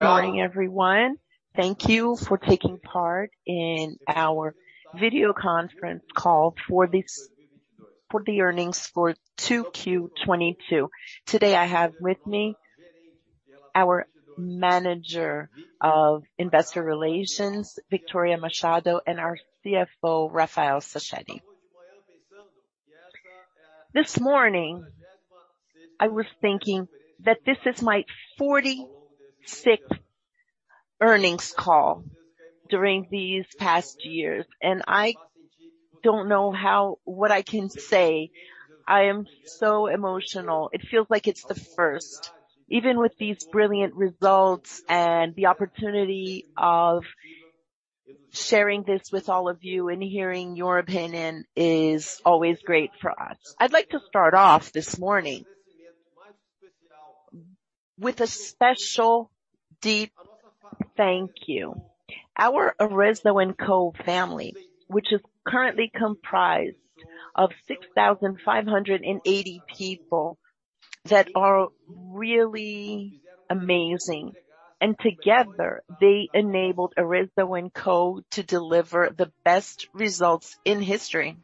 Good morning, everyone. Thank you for taking part in our video conference call for the earnings for 2Q 2022. Today I have with me our Manager of Investor Relations, Victoria Machado, and our CFO, Rafael Sachete. This morning, I was thinking that this is my 46th earnings call during these past years, and I don't know what I can say. I am so emotional. It feels like it's the first. Even with these brilliant results and the opportunity of sharing this with all of you and hearing your opinion is always great for us. I'd like to start off this morning with a special deep thank you. Our Arezzo&Co family, which is currently comprised of 6,580 people that are really amazing. Together, they enabled Arezzo&Co to deliver the best results in history.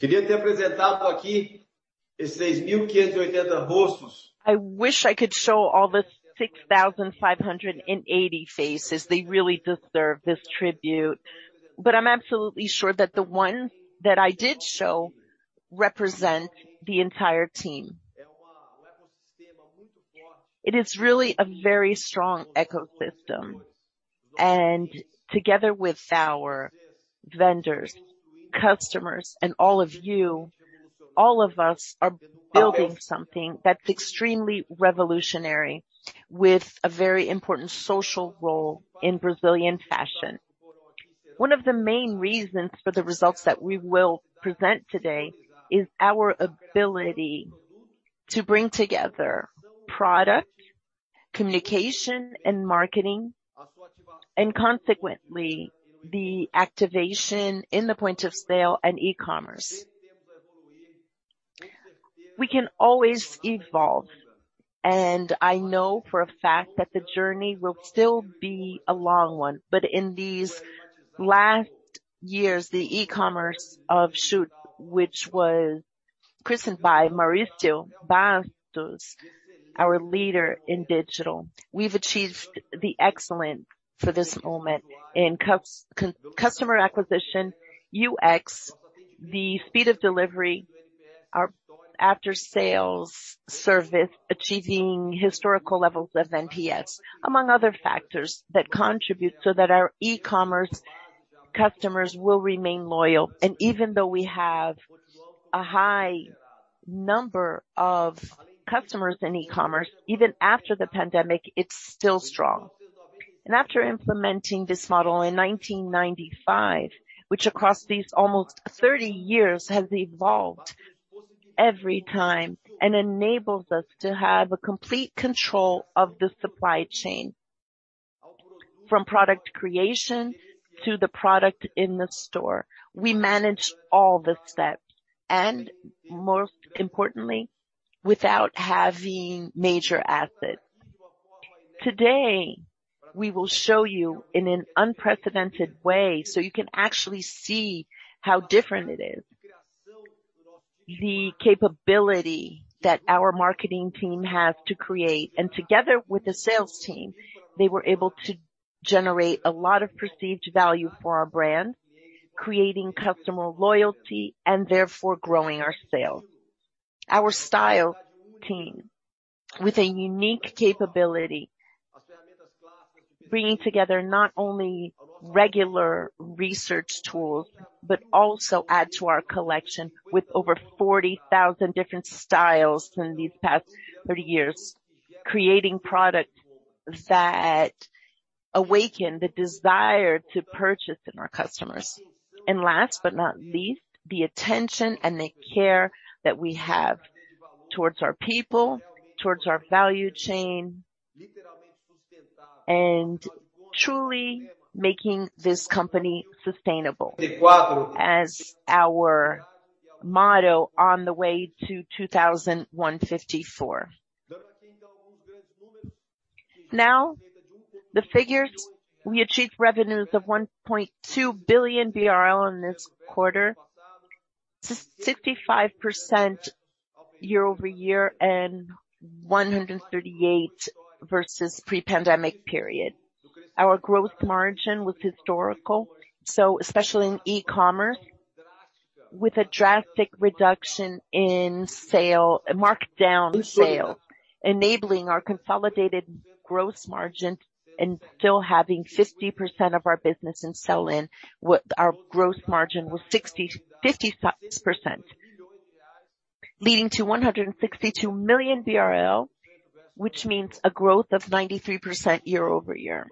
I wish I could show all the 6,580 faces. They really deserve this tribute. I'm absolutely sure that the one that I did show represent the entire team. It is really a very strong ecosystem, and together with our vendors, customers, and all of you, all of us are building something that's extremely revolutionary with a very important social role in Brazilian fashion. One of the main reasons for the results that we will present today is our ability to bring together product, communication, and marketing, and consequently, the activation in the point of sale and e-commerce. We can always evolve, and I know for a fact that the journey will still be a long one. In these last years, the e-commerce of Schutz, which was christened by Mauricio Bastos, our leader in digital. We've achieved the excellent for this moment in customer acquisition, UX, the speed of delivery, our after-sales service, achieving historical levels of NPS, among other factors that contribute so that our e-commerce customers will remain loyal. Even though we have a high number of customers in e-commerce, even after the pandemic, it's still strong. After implementing this model in 1995, which across these almost 30 years has evolved every time and enables us to have a complete control of the supply chain. From product creation to the product in the store, we manage all the steps, and more importantly, without having major assets. Today, we will show you in an unprecedented way, so you can actually see how different it is. The capability that our marketing team has to create. Together with the sales team, they were able to generate a lot of perceived value for our brand, creating customer loyalty and therefore growing our sales. Our style team with a unique capability, bringing together not only regular research tools, but also adding to our collection with over 40,000 different styles in these past 30 years, creating product that awaken the desire to purchase in our customers. Last but not least, the attention and the care that we have towards our people, towards our value chain, and truly making this company sustainable as our motto on the way to 2154. Now, the figures. We achieved revenues of 1.2 billion BRL in this quarter, 65% year-over-year and 138% versus pre-pandemic period. Our growth margin was historical, so especially in e-commerce, with a drastic reduction in markdown sale, enabling our consolidated growth margin and still having 50% of our business in sell-in, with our growth margin 56%. Leading to 162 million BRL, which means a growth of 93% year-over-year.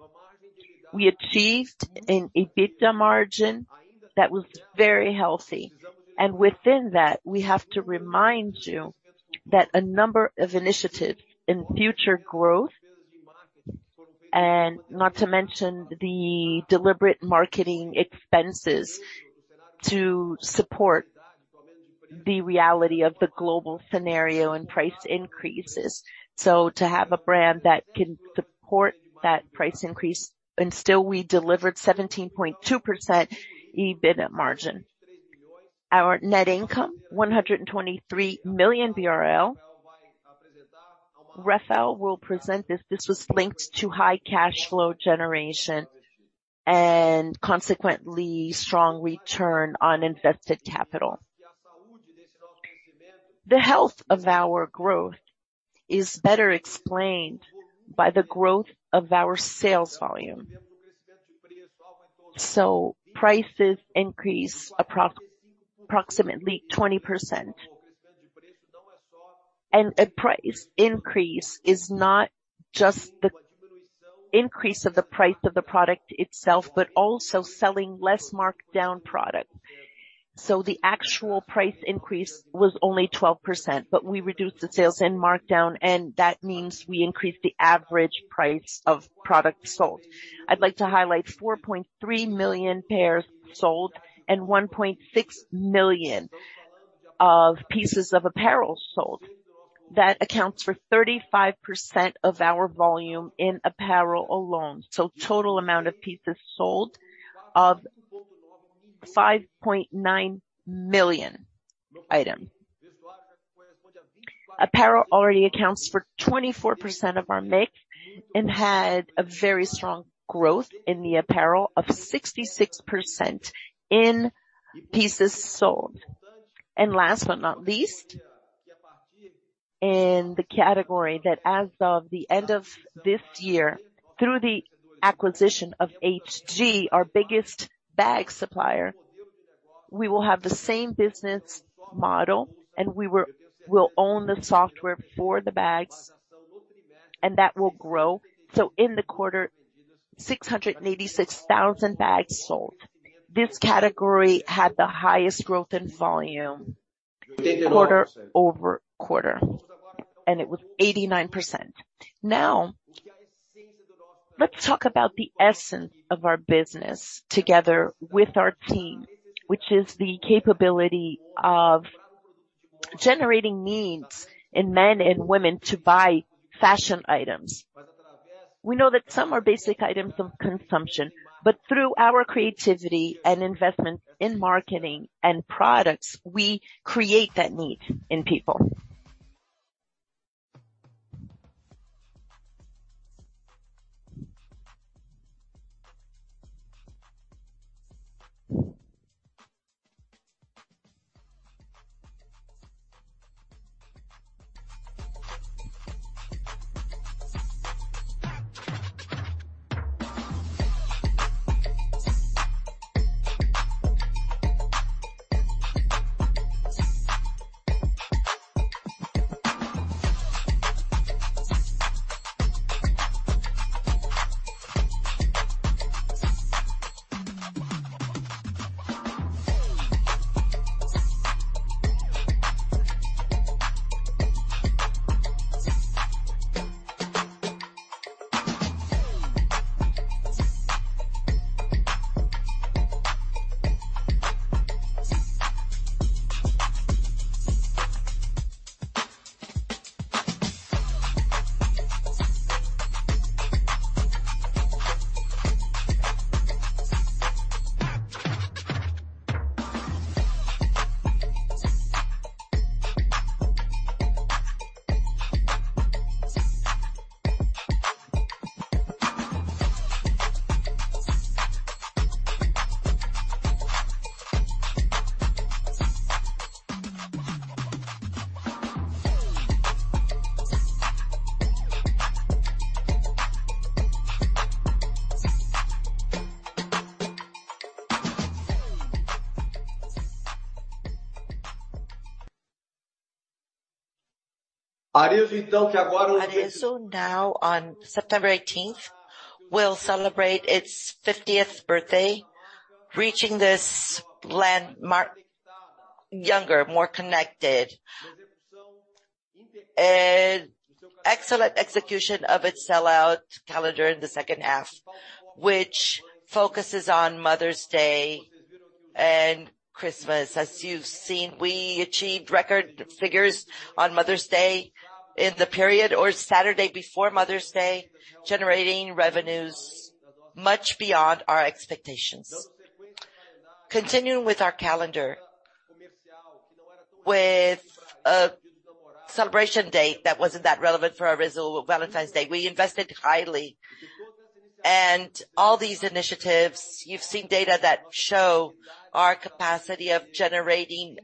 We achieved an EBITDA margin that was very healthy. Within that, we have to remind you that a number of initiatives in future growth, and not to mention the deliberate marketing expenses to support the reality of the global scenario and price increases. To have a brand that can support that price increase, and still we delivered 17.2% EBIT margin. Our net income 123 million BRL. Rafael will present this. This was linked to high cash flow generation and consequently, strong return on invested capital. The health of our growth is better explained by the growth of our sales volume. Prices increase approximately 20%. A price increase is not just the increase of the price of the product itself, but also selling less marked down product. The actual price increase was only 12%, but we reduced the sales and markdown, and that means we increased the average price of product sold. I'd like to highlight 4.3 million pairs sold and 1.6 million pieces of apparel sold. That accounts for 35% of our volume in apparel alone. Total amount of pieces sold of 5.9 million item. Apparel already accounts for 24% of our mix and had a very strong growth in the apparel of 66% in pieces sold. Last but not least, in the category that as of the end of this year, through the acquisition of HG, our biggest bag supplier, we will have the same business model, and will own the sourcing for the bags, and that will grow. In the quarter, 686,000 bags sold. This category had the highest growth in volume quarter-over-quarter, and it was 89%. Now, let's talk about the essence of our business together with our team, which is the capability of generating needs in men and women to buy fashion items. We know that some are basic items of consumption, but through our creativity and investment in marketing and products, we create that need in people. Arezzo now on September eighteenth will celebrate its fiftieth birthday, reaching this landmark younger, more connected. An excellent execution of its sellout calendar in the second half, which focuses on Mother's Day and Christmas. As you've seen, we achieved record figures on Mother's Day in the period or Saturday before Mother's Day, generating revenues much beyond our expectations. Continuing with our calendar with a celebration date that wasn't that relevant for Arezzo, Valentine's Day. We invested highly. All these initiatives, you've seen data that show our capacity of generating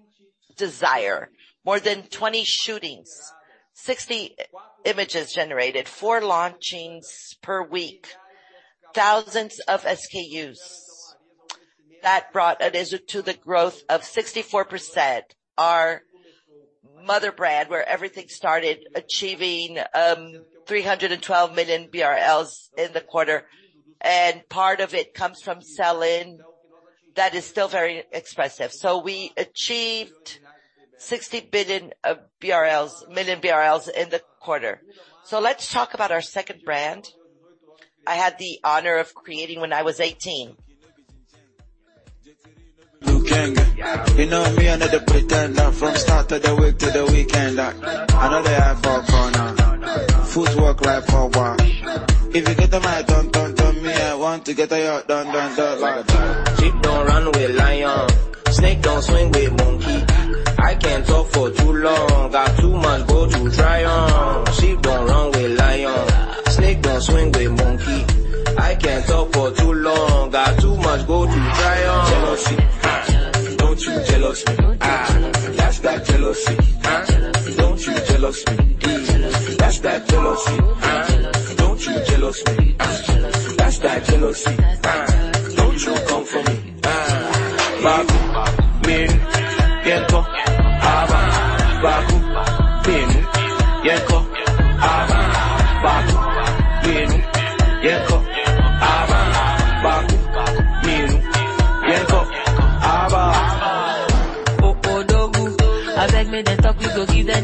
desire. More than 20 shootings, 60 i-images generated, 4 launchings per week, thousands of SKUs. That brought Arezzo to the growth of 64%. Our mother brand, where everything started achieving, 312 million BRL in the quarter, and part of it comes from sell-in that is still very expressive. We achieved 60 million BRL in the quarter. Let's talk about our second brand I had the honor of creating when I was 18.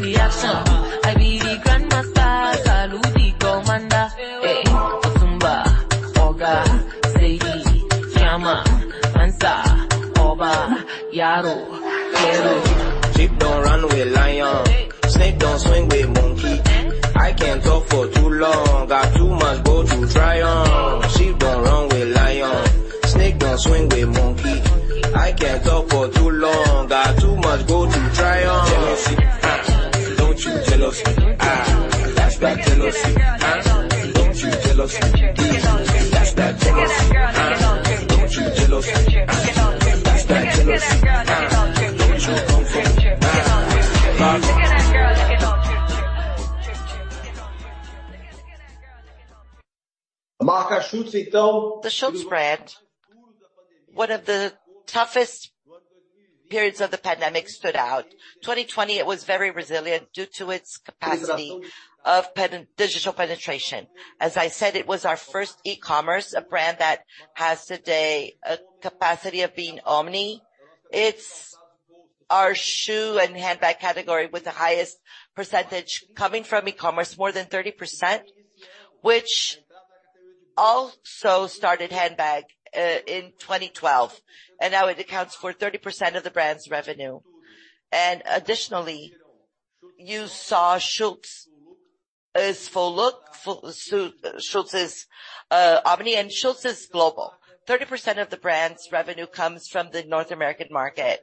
The Schutz brand, one of the toughest periods of the pandemic stood out. 2020, it was very resilient due to its capacity of digital penetration. As I said, it was our first e-commerce, a brand that has today a capacity of being omni. It's our shoe and handbag category with the highest percentage coming from e-commerce, more than 30%, which also started handbag in 2012, and now it accounts for 30% of the brand's revenue. Additionally, you saw Schutz is full look, Schutz is omni and Schutz is global. 30% of the brand's revenue comes from the North American market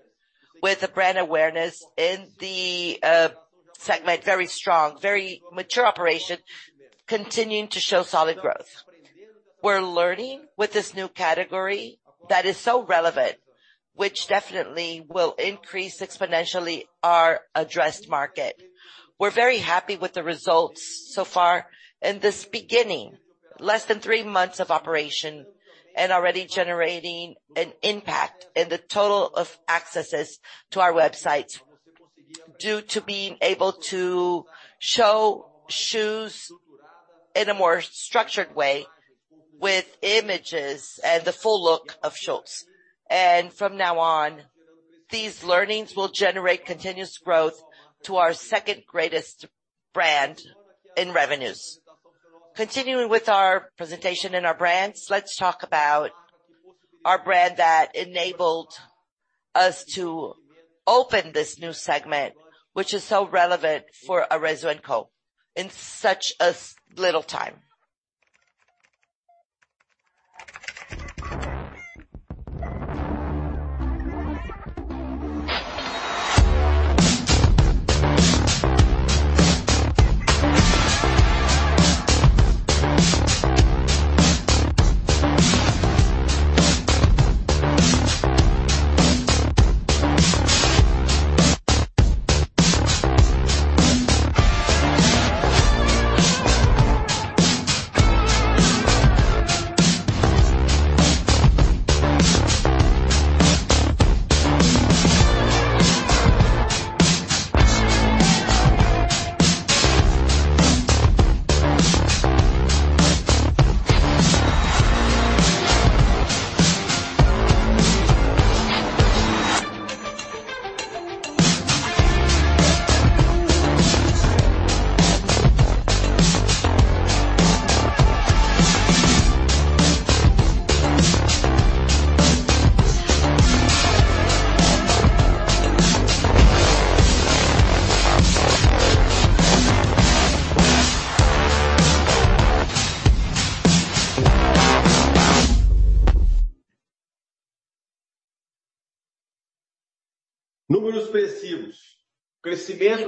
with a brand awareness in the segment, very strong, very mature operation, continuing to show solid growth. We're learning with this new category that is so relevant, which definitely will increase exponentially our addressed market. We're very happy with the results so far in this beginning. Less than three months of operation and already generating an impact in the total of accesses to our websites due to being able to show shoes in a more structured way with images and the full look of Schutz. From now on, these learnings will generate continuous growth to our second greatest brand in revenues. Continuing with our presentation and our brands, let's talk about our brand that enabled us to open this new segment, which is so relevant for Arezzo&Co. in such a little time.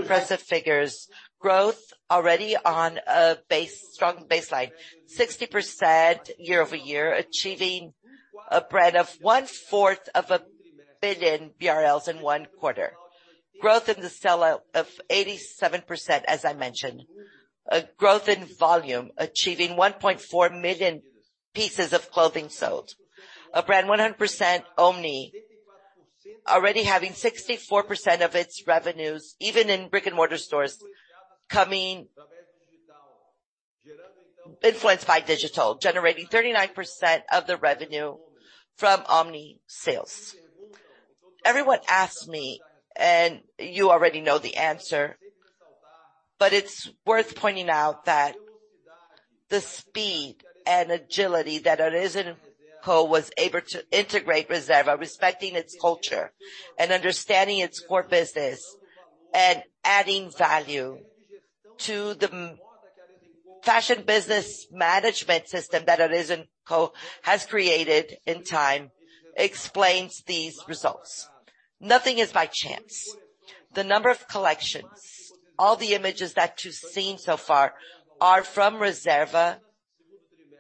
Impressive figures. Growth already on a strong baseline. 60% year-over-year, achieving a run rate of one-fourth of a billion BRL in one quarter. Growth in the sellout of 87%, as I mentioned. A growth in volume achieving 1.4 million pieces of clothing sold. A brand 100% omni, already having 64% of its revenues, even in brick-and-mortar stores, coming, influenced by digital, generating 39% of the revenue from omni sales. Everyone asks me, and you already know the answer, but it's worth pointing out that the speed and agility that Arezzo was able to integrate Reserva, respecting its culture and understanding its core business and adding value to the fashion business management system that Arezzo has created in time, explains these results. Nothing is by chance. The number of collections, all the images that you've seen so far are from Reserva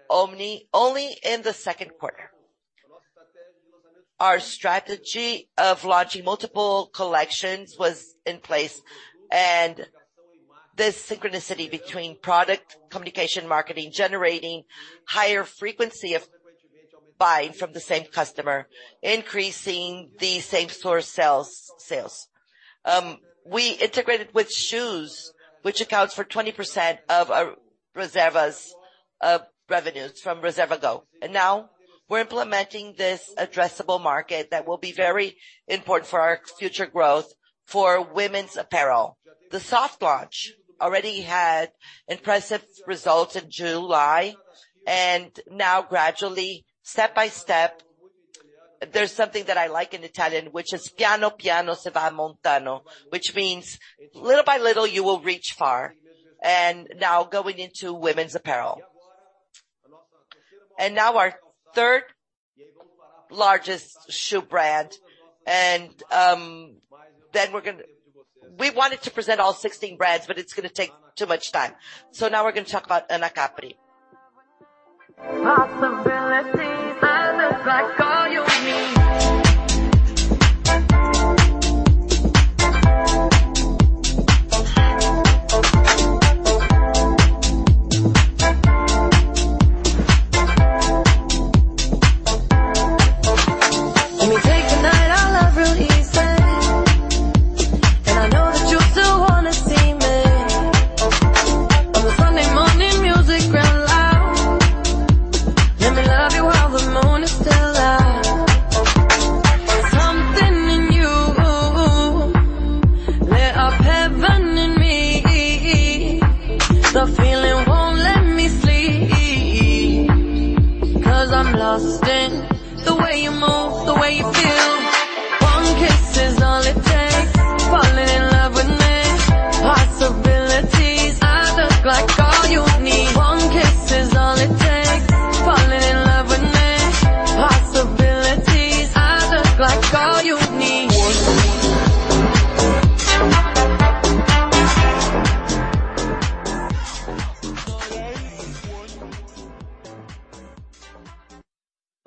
omni only in the second quarter. Our strategy of launching multiple collections was in place, and the synchronicity between product communication, marketing, generating higher frequency of buying from the same customer, increasing the same store sales. We integrated with shoes, which accounts for 20% of Reserva's revenues from Reserva Go. Now we're implementing this addressable market that will be very important for our future growth for women's apparel. The soft launch already had impressive results in July, and now gradually, step-by-step, there's something that I like in Italian, which is piano, se va montano, which means little by little, you will reach far. Now going into women's apparel. Our third-largest shoe brand. We wanted to present all 16 brands, but it's gonna take too much time. Now we're gonna talk about Anacapri.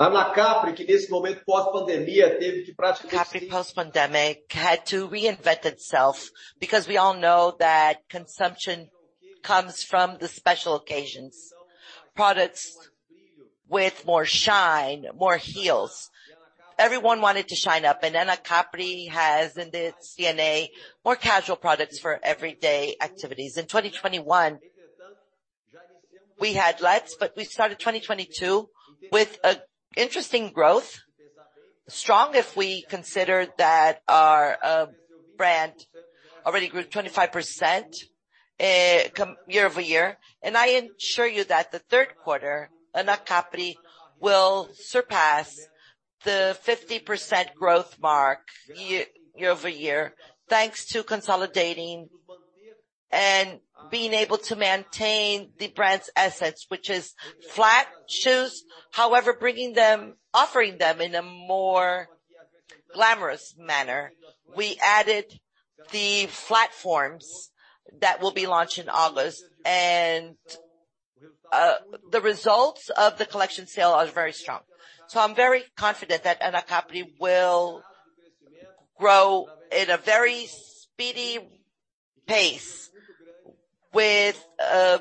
Anacapri, post-pandemic, had to reinvent itself because we all know that consumption comes from the special occasions. Products with more shine, more heels. Everyone wanted to shine up, and Anacapri has in its DNA more casual products for everyday activities. In 2021, we had losses, but we started 2022 with interesting growth. Strong if we consider that our brand already grew 25% year over year. I assure you that the third quarter, Anacapri will surpass the 50% growth mark year over year, thanks to consolidating and being able to maintain the brand's assets, which is flat shoes. However, offering them in a more glamorous manner. We added the platforms that will be launched in August. The results of the collection sale are very strong. I'm very confident that Anacapri will grow at a very speedy pace with a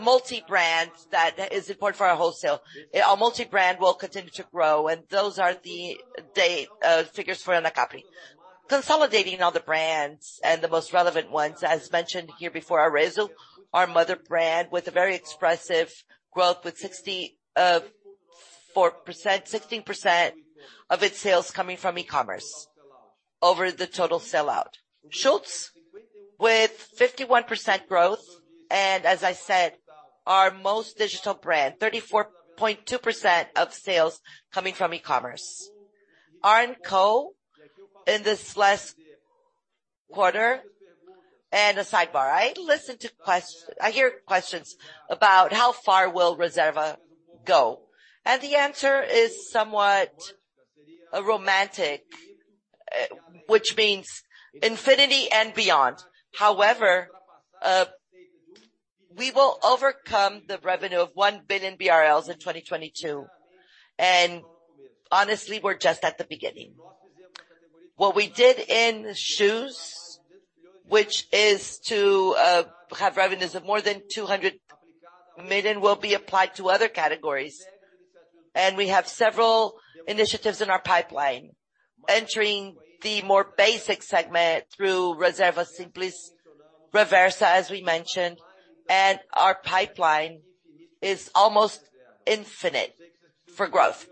multi-brand that is important for our wholesale. Our multi-brand will continue to grow, and those are the figures for Anacapri. Consolidating all the brands and the most relevant ones, as mentioned here before, Arezzo, our mother brand, with a very expressive growth, with 64%, 16% of its sales coming from e-commerce over the total sellout. Schutz with 51% growth and as I said, our most digital brand, 34.2% of sales coming from e-commerce. AR&Co in this last quarter. A sidebar, I hear questions about how far will Reserva go? The answer is somewhat romantic, which means infinity and beyond. However, We will surpass the revenue of 1 billion BRL in 2022. Honestly, we're just at the beginning. What we did in shoes, which is to have revenues of more than 200 million, will be applied to other categories. We have several initiatives in our pipeline entering the more basic segment through Reserva Simples, Reversa, as we mentioned, and our pipeline is almost infinite for growth.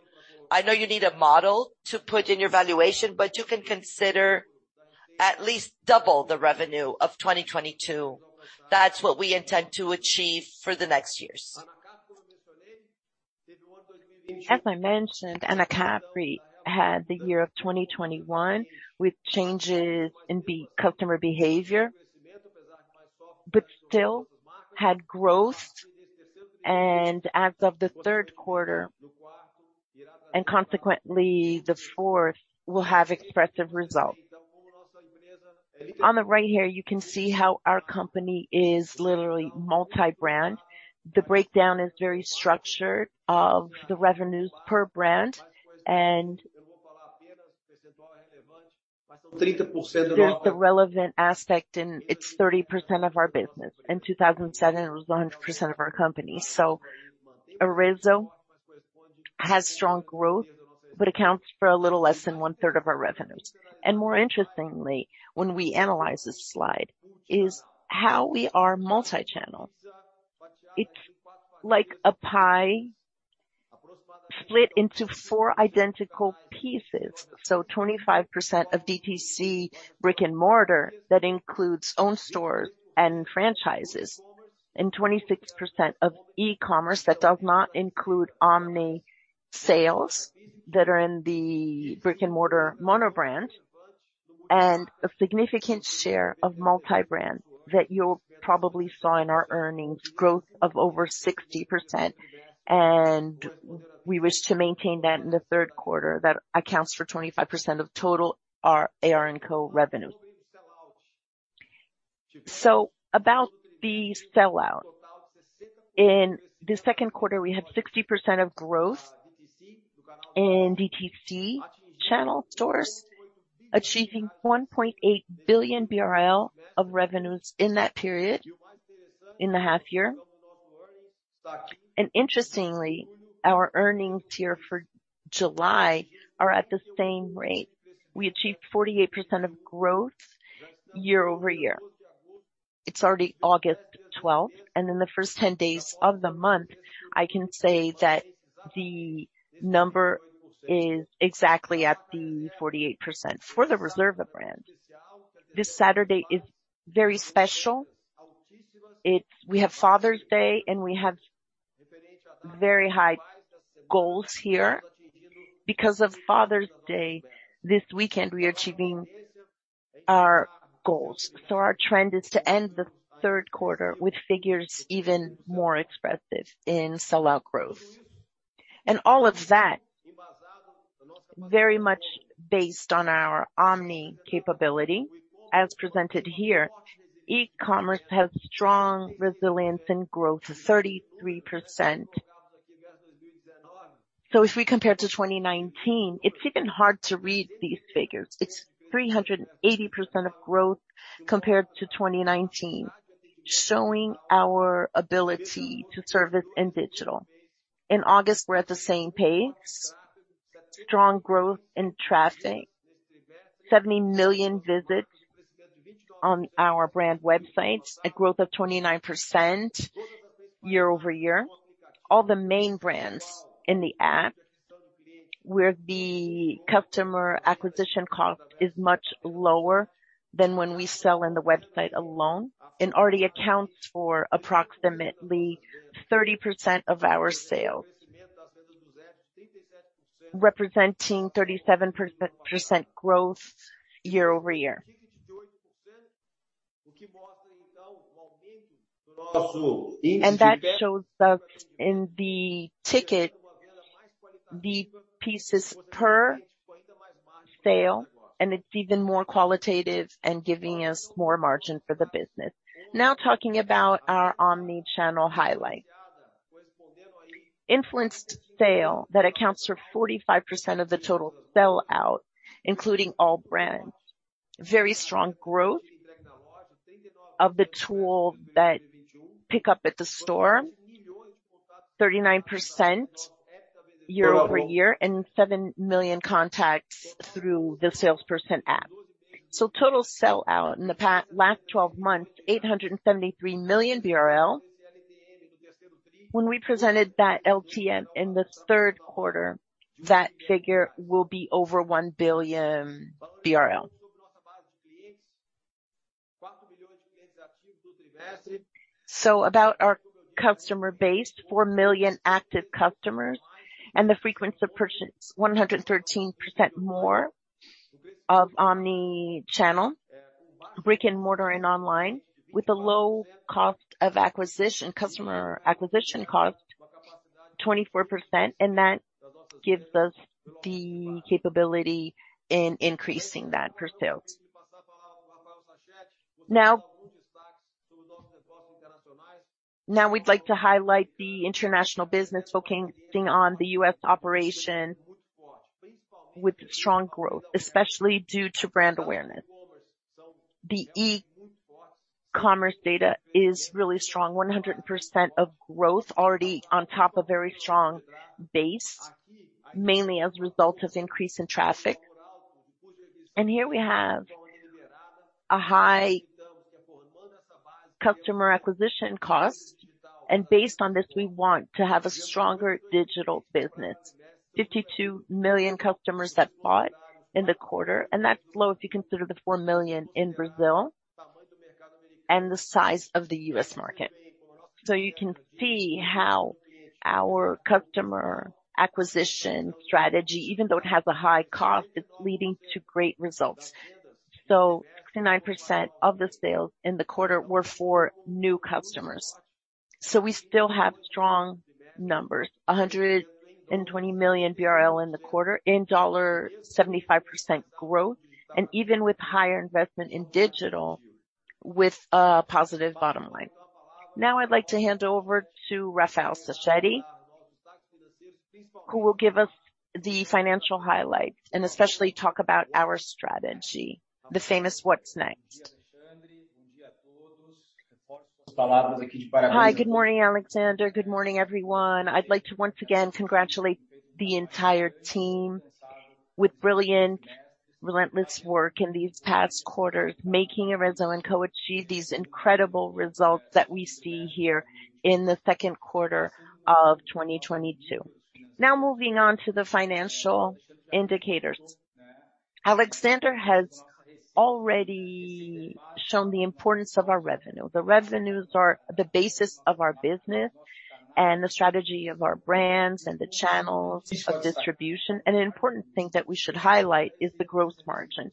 I know you need a model to put in your valuation, but you can consider at least double the revenue of 2022. That's what we intend to achieve for the next years. As I mentioned, Anacapri had the year of 2021 with changes in B2C customer behavior, but still had growth and as of the third quarter, and consequently the fourth will have expressive results. On the right here, you can see how our company is literally multi-brand. The breakdown is very structured of the revenues per brand. There's the relevant aspect, and it's 30% of our business. In 2007, it was 100% of our company. Arezzo has strong growth, but accounts for a little less than one-third of our revenues. More interestingly, when we analyze this slide, is how we are multi-channel. It's like a pie split into four identical pieces. 25% of DTC brick-and-mortar, that includes own stores and franchises, and 26% of e-commerce that does not include omni sales that are in the brick-and-mortar mono brand, and a significant share of multi-brand that you'll probably saw in our earnings growth of over 60%. We wish to maintain that in the third quarter. That accounts for 25% of total our AR&Co revenue. About the sell out. In the second quarter, we had 60% growth in DTC channel stores, achieving 1.8 billion BRL of revenues in that period, in the half year. Interestingly, our earnings here for July are at the same rate. We achieved 48% growth year-over-year. It's already August twelfth, and in the first 10 days of the month, I can say that the number is exactly at the 48% for the Reserva brand. This Saturday is very special. We have Father's Day, and we have very high goals here. Because of Father's Day, this weekend, we are achieving our goals. Our trend is to end the third quarter with figures even more expressive in sell out growth. All of that, very much based on our omni capability as presented here. E-commerce has strong resilience and growth of 33%. If we compare to 2019, it's even hard to read these figures. It's 380% growth compared to 2019, showing our ability to service in digital. In August, we're at the same pace. Strong growth in traffic. 70 million visits on our brand websites, a growth of 29% year-over-year. All the main brands in the app, where the customer acquisition cost is much lower than when we sell on the website alone, and already accounts for approximately 30% of our sales, representing 37% growth year-over-year. That shows up in the ticket, the pieces per sale, and it's even more qualitative and giving us more margin for the business. Talking about our omni-channel highlight. Influenced sale that accounts for 45% of the total sell out, including all brands. Very strong growth of the tool that pick up at the store, 39% year over year and 7 million contacts through the salesperson app. Total sell out in the last twelve months, 873 million BRL. When we presented that LTM in the third quarter, that figure will be over 1 billion BRL. About our customer base, 4 million active customers, and the frequency of purchase, 113% more of omni-channel, brick-and-mortar and online, with a low cost of acquisition, customer acquisition cost. 24%, and that gives us the capability in increasing that per sale. Now we'd like to highlight the international business focusing on the U.S. operation with strong growth, especially due to brand awareness. The e-commerce data is really strong, 100% growth already on top of very strong base, mainly as a result of increase in traffic. Here we have a high customer acquisition cost. Based on this, we want to have a stronger digital business. 52 million customers that bought in the quarter, and that's low if you consider the 4 million in Brazil and the size of the U.S. market. You can see how our customer acquisition strategy, even though it has a high cost, it's leading to great results. 69% of the sales in the quarter were for new customers. We still have strong numbers, 120 million BRL in the quarter, in dollar, 75% growth, and even with higher investment in digital, with a positive bottom line. Now I'd like to hand over to Rafael Sachete, who will give us the financial highlights and especially talk about our strategy, the famous what's next. Hi, good morning, Alexandre. Good morning, everyone. I'd like to once again congratulate the entire team with brilliant, relentless work in these past quarters, making Arezzo&Co. achieve these incredible results that we see here in the second quarter of 2022. Now moving on to the financial indicators. Alexandre has already shown the importance of our revenue. The revenues are the basis of our business and the strategy of our brands and the channels of distribution. An important thing that we should highlight is the gross margin.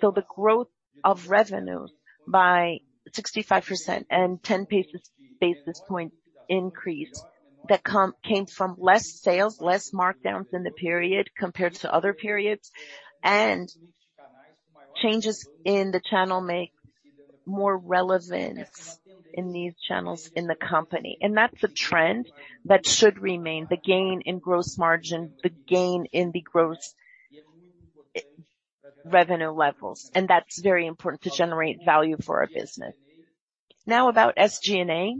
The growth of revenue by 65% and 10 basis points increase that came from less sales, less markdowns in the period compared to other periods, and changes in the channel mix making more relevance in these channels in the company. That's a trend that should remain, the gain in gross margin, the gain in the gross margin levels. That's very important to generate value for our business. Now about SG&A.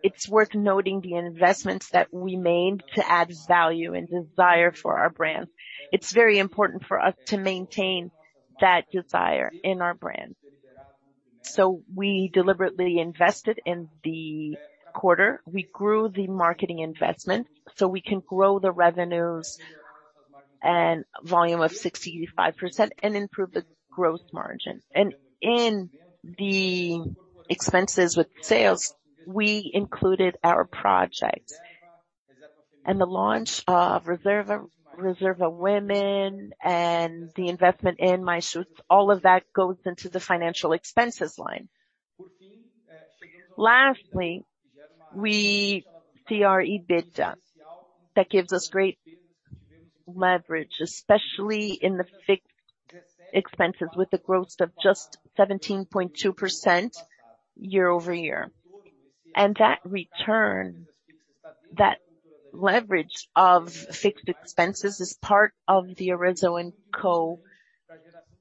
It's worth noting the investments that we made to add value and desire for our brand. It's very important for us to maintain that desire in our brand. We deliberately invested in the quarter. We grew the marketing investment so we can grow the revenues and volume by 65% and improve the gross margin. In the expenses with sales, we included our projects. The launch of Reserva Women and the investment in My Shoes, all of that goes into the financial expenses line. Lastly, we see our EBITDA. That gives us great leverage, especially in the fixed expenses with the growth of just 17.2% year-over-year. That return, that leverage of fixed expenses is part of the Arezzo&Co.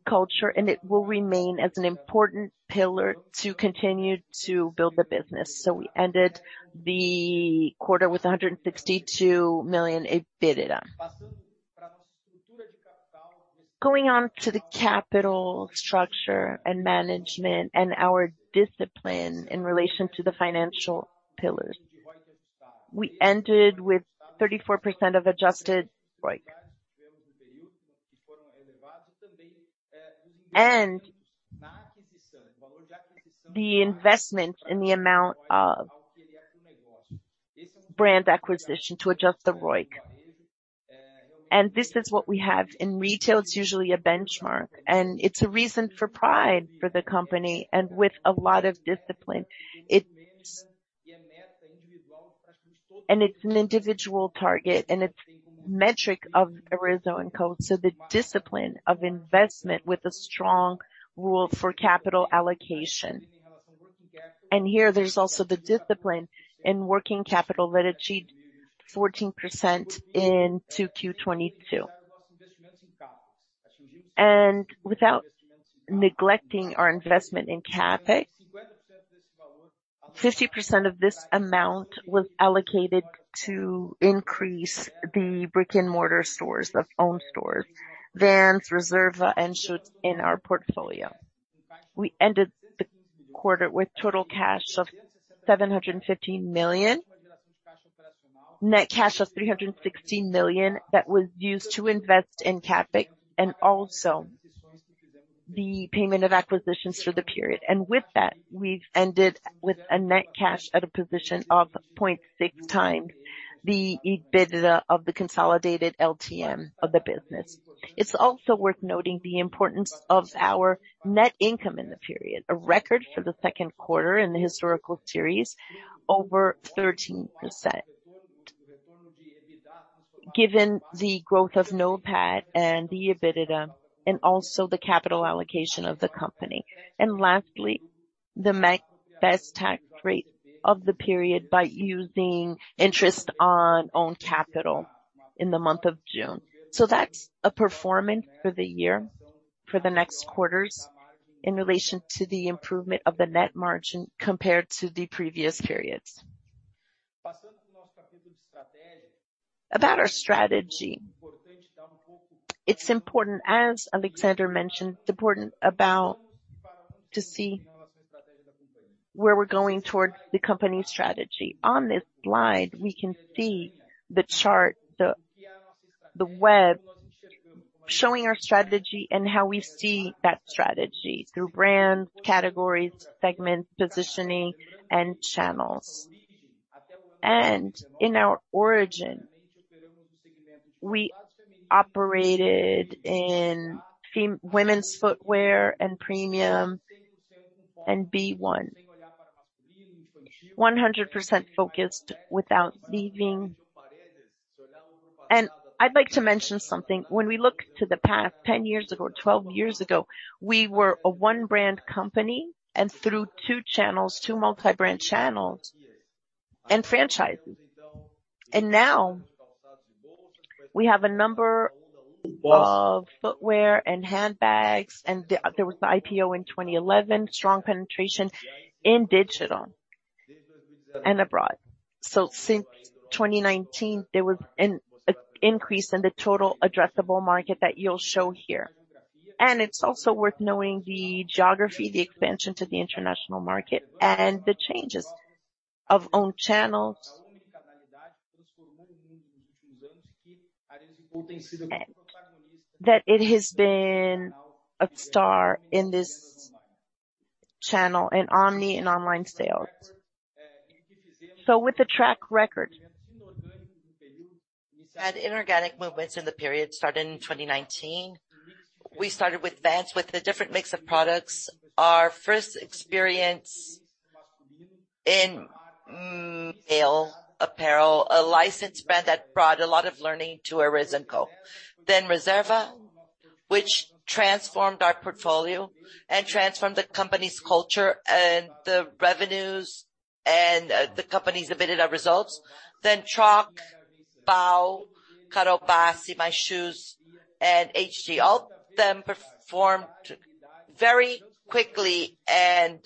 culture, and it will remain as an important pillar to continue to build the business. We ended the quarter with 162 million EBITDA. Going on to the capital structure and management and our discipline in relation to the financial pillars. We ended with 34% adjusted ROIC. The investment in the amount of brand acquisition to adjust the ROIC. This is what we have in retail. It's usually a benchmark, and it's a reason for pride for the company and with a lot of discipline. It's an individual target, and it's metric of Arezzo&Co. The discipline of investment with a strong rule for capital allocation. Here there's also the discipline in working capital that achieved 14% in 2Q 2022. Without neglecting our investment in CapEx, 50% of this amount was allocated to increase the brick-and-mortar stores, the own stores, Vans, Reserva, and Schutz in our portfolio. We ended the quarter with total cash of 715 million. Net cash was 316 million that was used to invest in CapEx and also the payment of acquisitions for the period. With that, we've ended with a net cash position of 0.6 times the EBITDA of the consolidated LTM of the business. It's also worth noting the importance of our net income in the period, a record for the second quarter in the historical series, over 13%. Given the growth of NOPAT and the EBITDA, and also the capital allocation of the company. Lastly, the best tax rate of the period by using interest on own capital in the month of June. That's a performance for the year, for the next quarters in relation to the improvement of the net margin compared to the previous periods. About our strategy, it's important, as Alexandre mentioned, it's important to see where we're going towards the company strategy. On this slide, we can see the chart, the web showing our strategy and how we see that strategy through brands, categories, segments, positioning, and channels. In our origin, we operated in women's footwear and premium and B1. 100% focused without leaving. I'd like to mention something. When we look to the past 10 years ago, 12 years ago, we were a one brand company through two channels, two multi-brand channels and franchises. Now we have a number of footwear and handbags. There was the IPO in 2011, strong penetration in digital and abroad. Since 2019, there was an increase in the total addressable market that you'll show here. It's also worth knowing the geography, the expansion to the international market and the changes of own channels. That it has been a star in this channel, in omni and online sales. With the track record. We had inorganic movements in the period started in 2019. We started with Vans with a different mix of products. Our first experience in male apparel, a licensed brand that brought a lot of learning to Arezzo&Co. Reserva, which transformed our portfolio and transformed the company's culture and the revenues and, the company's EBITDA results. Troc, Baw Clothing, Carol Bassi, My Shoes, and HG. All of them performed very quickly and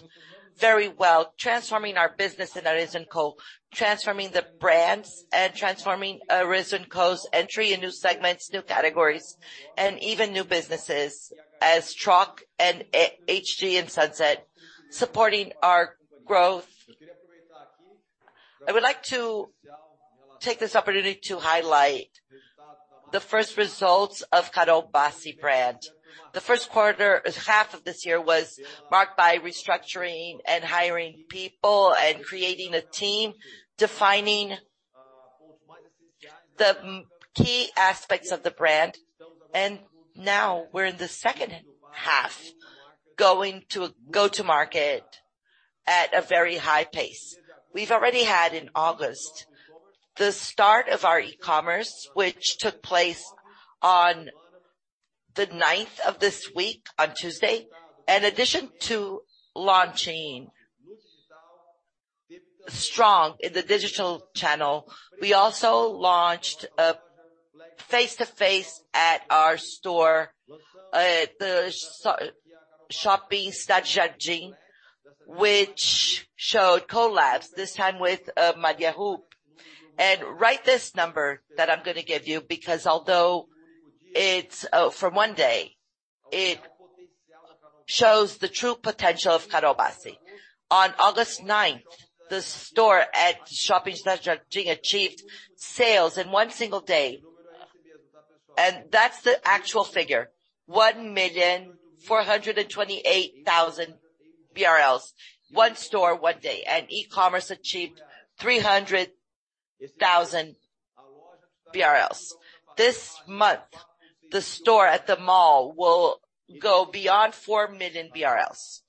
very well, transforming our business in Arezzo&Co, transforming the brands and transforming Arezzo&Co's entry in new segments, new categories, and even new businesses as Troc and HG and Sunset supporting our growth. I would like to take this opportunity to highlight the first results of Carol Bassi brand. The first half of this year was marked by restructuring and hiring people and creating a team, defining the key aspects of the brand. Now we're in the second half, going to go to market at a very high pace. We've already had in August the start of our e-commerce, which took place on the 9th of this week, on Tuesday. In addition to launching strong in the digital channel, we also launched a face-to-face at our store, Shopping Cidade Jardim, which showed collabs, this time with Maria Chiquinha. Write this number that I'm gonna give you, because although it's for one day, it shows the true potential of Carol Bassi. On August 9, the store at Shopping Cidade Jardim achieved sales in one single day, and that's the actual figure, 1.428 million BRL. One store, one day. E-commerce achieved 300,000 BRL. This month, the store at the mall will go beyond 4 million BRL.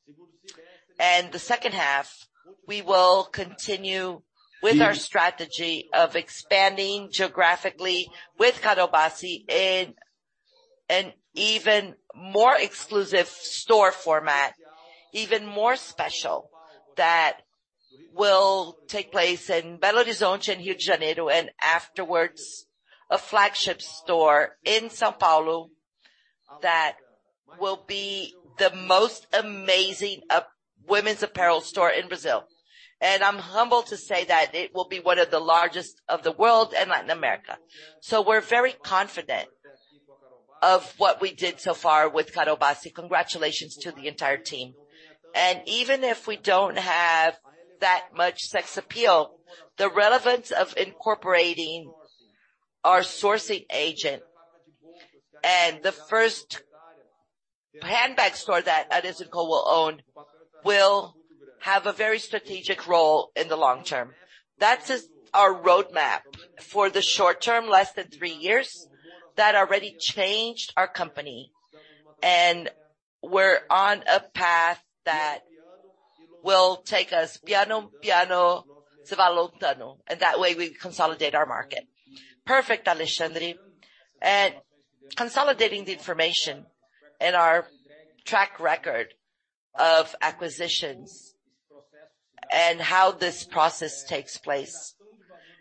The second half, we will continue with our strategy of expanding geographically with Carol Bassi in an even more exclusive store format, even more special, that will take place in Belo Horizonte and Rio de Janeiro, and afterwards, a flagship store in São Paulo that will be the most amazing, women's apparel store in Brazil. I'm humbled to say that it will be one of the largest of the world and Latin America. We're very confident of what we did so far with Carol Bassi. Congratulations to the entire team. Even if we don't have that much sex appeal, the relevance of incorporating our sourcing agent and the first handbag store that Arezzo&Co. will own will have a very strategic role in the long term. That is our roadmap for the short term, less than three years, that already changed our company, and we're on a path that will take us and that way we consolidate our market. Perfect, Alexandre. Consolidating the information and our track record of acquisitions and how this process takes place,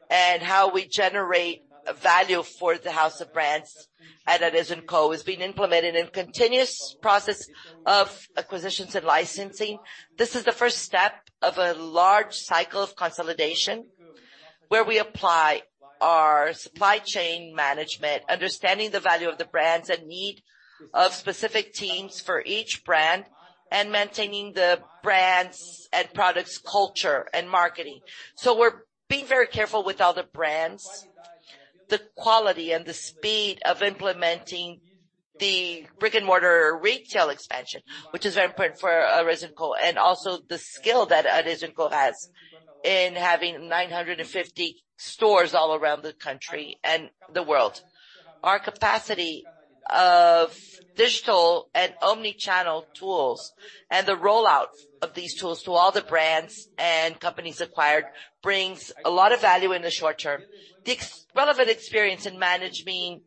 and how we generate value for the house of brands at Arezzo&Co. is being implemented in continuous process of acquisitions and licensing. This is the first step of a large cycle of consolidation, where we apply our supply chain management, understanding the value of the brands and need of specific teams for each brand, and maintaining the brands and products culture and marketing. We're being very careful with all the brands, the quality and the speed of implementing the brick-and-mortar retail expansion, which is very important for Arezzo&Co. Also the skill that Arezzo&Co has in having 950 stores all around the country and the world. Our capacity of digital and omni-channel tools, and the rollout of these tools to all the brands and companies acquired, brings a lot of value in the short term. The extensive experience in managing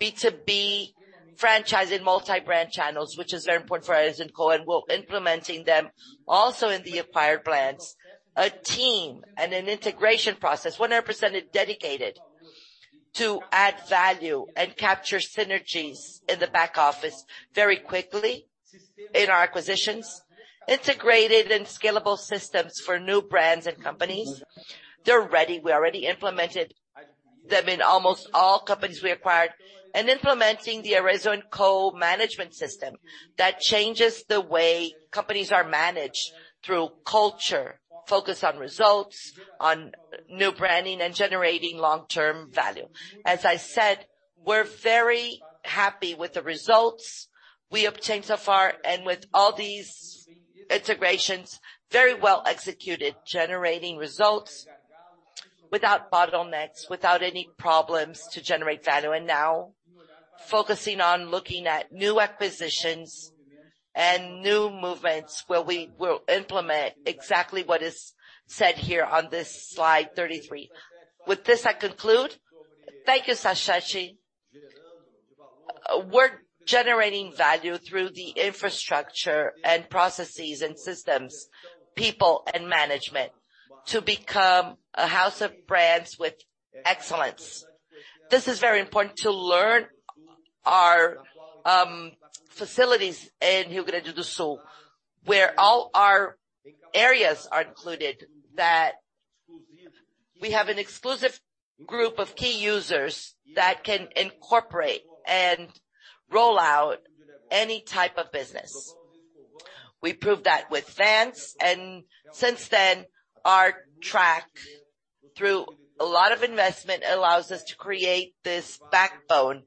B2B franchise and multi-brand channels, which is very important for Arezzo&Co, and we're implementing them also in the acquired brands. A team and an integration process 100% dedicated to add value and capture synergies in the back office very quickly in our acquisitions. Integrated and scalable systems for new brands and companies. They're ready. We already implemented them in almost all companies we acquired. Implementing the Arezzo&Co. management system that changes the way companies are managed through culture, focus on results, on new branding and generating long-term value. As I said, we're very happy with the results we obtained so far, and with all these integrations very well executed, generating results without bottlenecks, without any problems to generate value. Now focusing on looking at new acquisitions and new movements where we will implement exactly what is said here on this slide 33. With this, I conclude. Thank you, Rafael Sachete. We're generating value through the infrastructure and processes and systems, people and management, to become a house of brands with excellence. This is very important to learn our facilities in Rio Grande do Sul, where all our areas are included that we have an exclusive group of key users that can incorporate and roll out any type of business. We proved that with fans, and since then, our track through a lot of investment allows us to create this backbone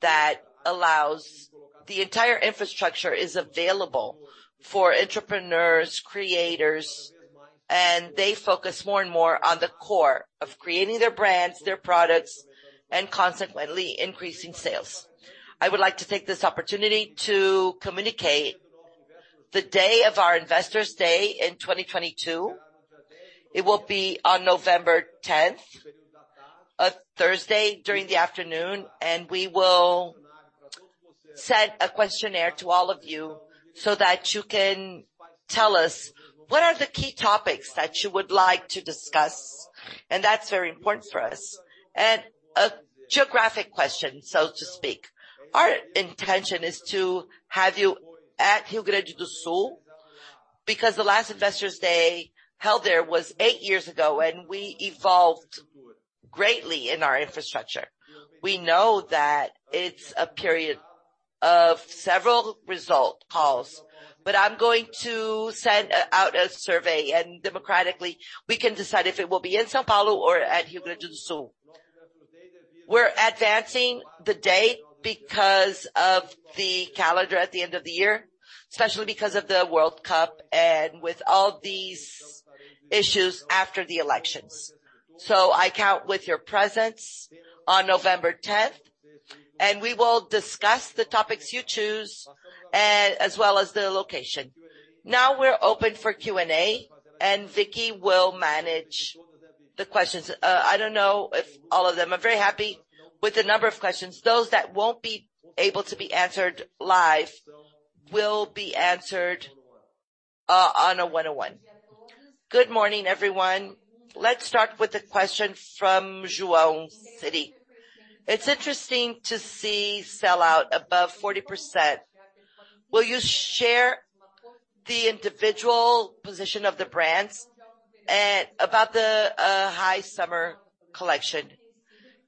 that allows the entire infrastructure is available for entrepreneurs, creators, and they focus more and more on the core of creating their brands, their products, and consequently increasing sales. I would like to take this opportunity to communicate the day of our Investors Day in 2022. It will be on November 10, a Thursday during the afternoon, and we will send a questionnaire to all of you so that you can tell us what are the key topics that you would like to discuss, and that's very important for us. A geographic question, so to speak. Our intention is to have you at Rio Grande do Sul because the last Investors Day held there was eight years ago, and we evolved greatly in our infrastructure. We know that it's a period of several result calls, but I'm going to send out a survey, and democratically, we can decide if it will be in São Paulo or at Rio Grande do Sul. We're advancing the date because of the calendar at the end of the year, especially because of the World Cup and with all these issues after the elections. I count with your presence on November tenth, and we will discuss the topics you choose as well as the location. Now we're open for Q&A, and Vicky will manage the questions. I don't know if all of them. I'm very happy with the number of questions. Those that won't be able to be answered live will be answered on a one-on-one. Good morning, everyone. Let's start with a question from João Sidi. It's interesting to see sell out above 40%. Will you share the individual position of the brands about the high summer collection?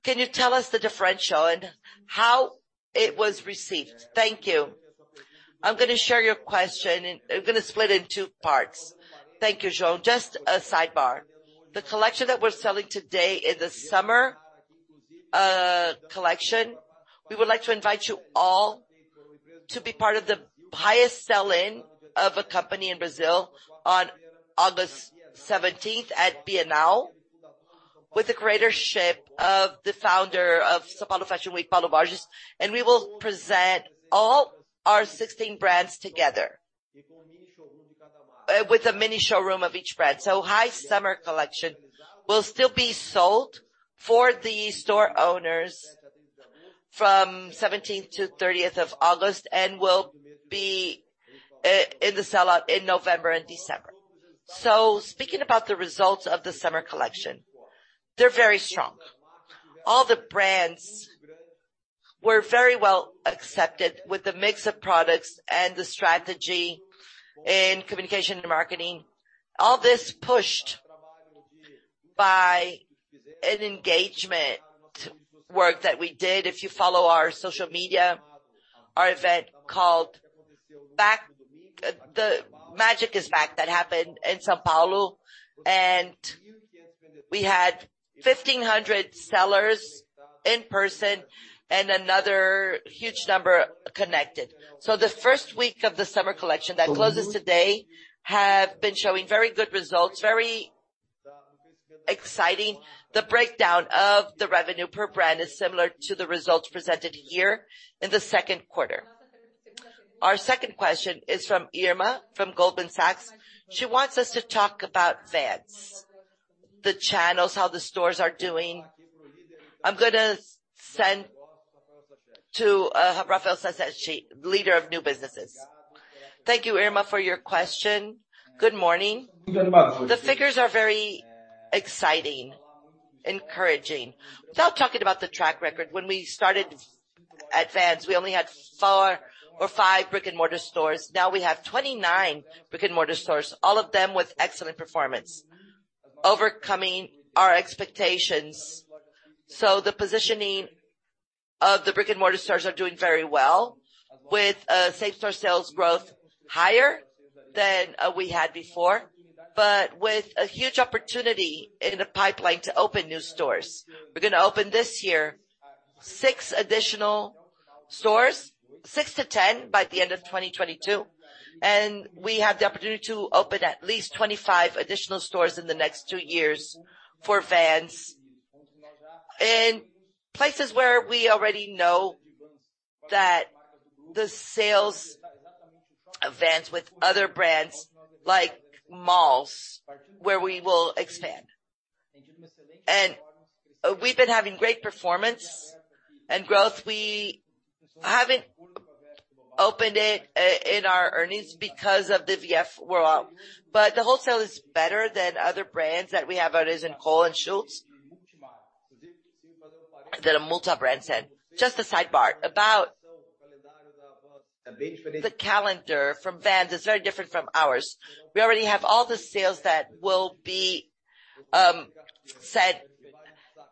Can you tell us the differential and how it was received? Thank you. I'm gonna share your question and I'm gonna split it in two parts. Thank you, João. Just a sidebar. The collection that we're selling today is a summer collection. We would like to invite you all to be part of the highest sell-in of a company in Brazil on August seventeenth at Bienal. With the leadership of the founder of São Paulo Fashion Week, Paulo Borges. We will present all our 16 brands together with a mini showroom of each brand. High summer collection will still be sold for the store owners from seventeenth to thirtieth of August, and will be in the sell-out in November and December. Speaking about the results of the summer collection, they're very strong. All the brands were very well accepted with the mix of products and the strategy in communication and marketing. All this pushed by an engagement work that we did. If you follow our social media, our event called the Magic is Back, that happened in São Paulo, and we had 1,500 sellers in person and another huge number connected. The first week of the summer collection that closes today have been showing very good results, very exciting. The breakdown of the revenue per brand is similar to the results presented here in the second quarter. Our second question is from Irma, from Goldman Sachs. She wants us to talk about Vans, the channels, how the stores are doing. I'm gonna send to Rafael Sachete, leader of new businesses. Thank you, Irma, for your question. Good morning. The figures are very exciting, encouraging. Without talking about the track record, when we started at Vans, we only had four or five brick-and-mortar stores. Now we have 29 brick-and-mortar stores, all of them with excellent performance, overcoming our expectations. The positioning of the brick-and-mortar stores are doing very well with same store sales growth higher than we had before, but with a huge opportunity in the pipeline to open new stores. We're gonna open this year six additional stores, 6-10 by the end of 2022, and we have the opportunity to open at least 25 additional stores in the next two years for Vans. In places where we already know that the sales of Vans with other brands like malls, where we will expand. We've been having great performance and growth. We haven't opened it in our earnings because of the VF rollout, but the wholesale is better than other brands that we have, that is in Cole Haan and Schutz, than a multi-brand set. Just a sidebar, about the calendar from Vans, it's very different from ours. We already have all the sales that will be set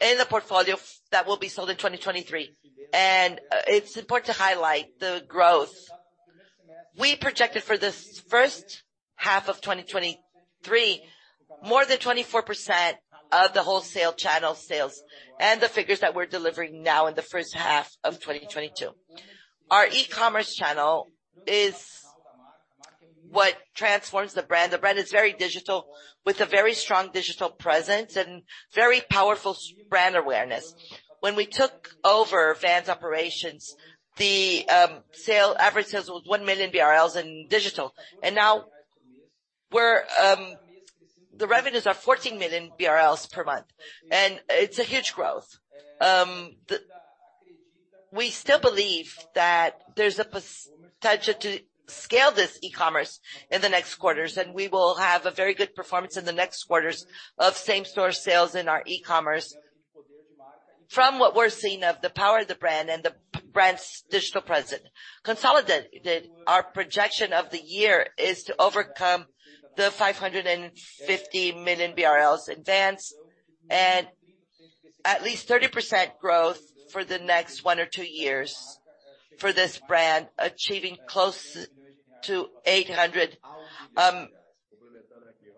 in a portfolio that will be sold in 2023, and it's important to highlight the growth. We projected for this first half of 2023, more than 24% of the wholesale channel sales and the figures that we're delivering now in the first half of 2022. Our e-commerce channel is what transforms the brand. The brand is very digital with a very strong digital presence and very powerful brand awareness. When we took over Vans operations, average sales was 1 million BRL in digital, and now we're the revenues are 14 million BRL per month, and it's a huge growth. We still believe that there's a potential to scale this e-commerce in the next quarters, and we will have a very good performance in the next quarters of same store sales in our e-commerce. From what we're seeing of the power of the brand and the brand's digital presence, consolidated, our projection of the year is to overcome 550 million BRL in Vans and at least 30% growth for the next one or two years for this brand, achieving close to 800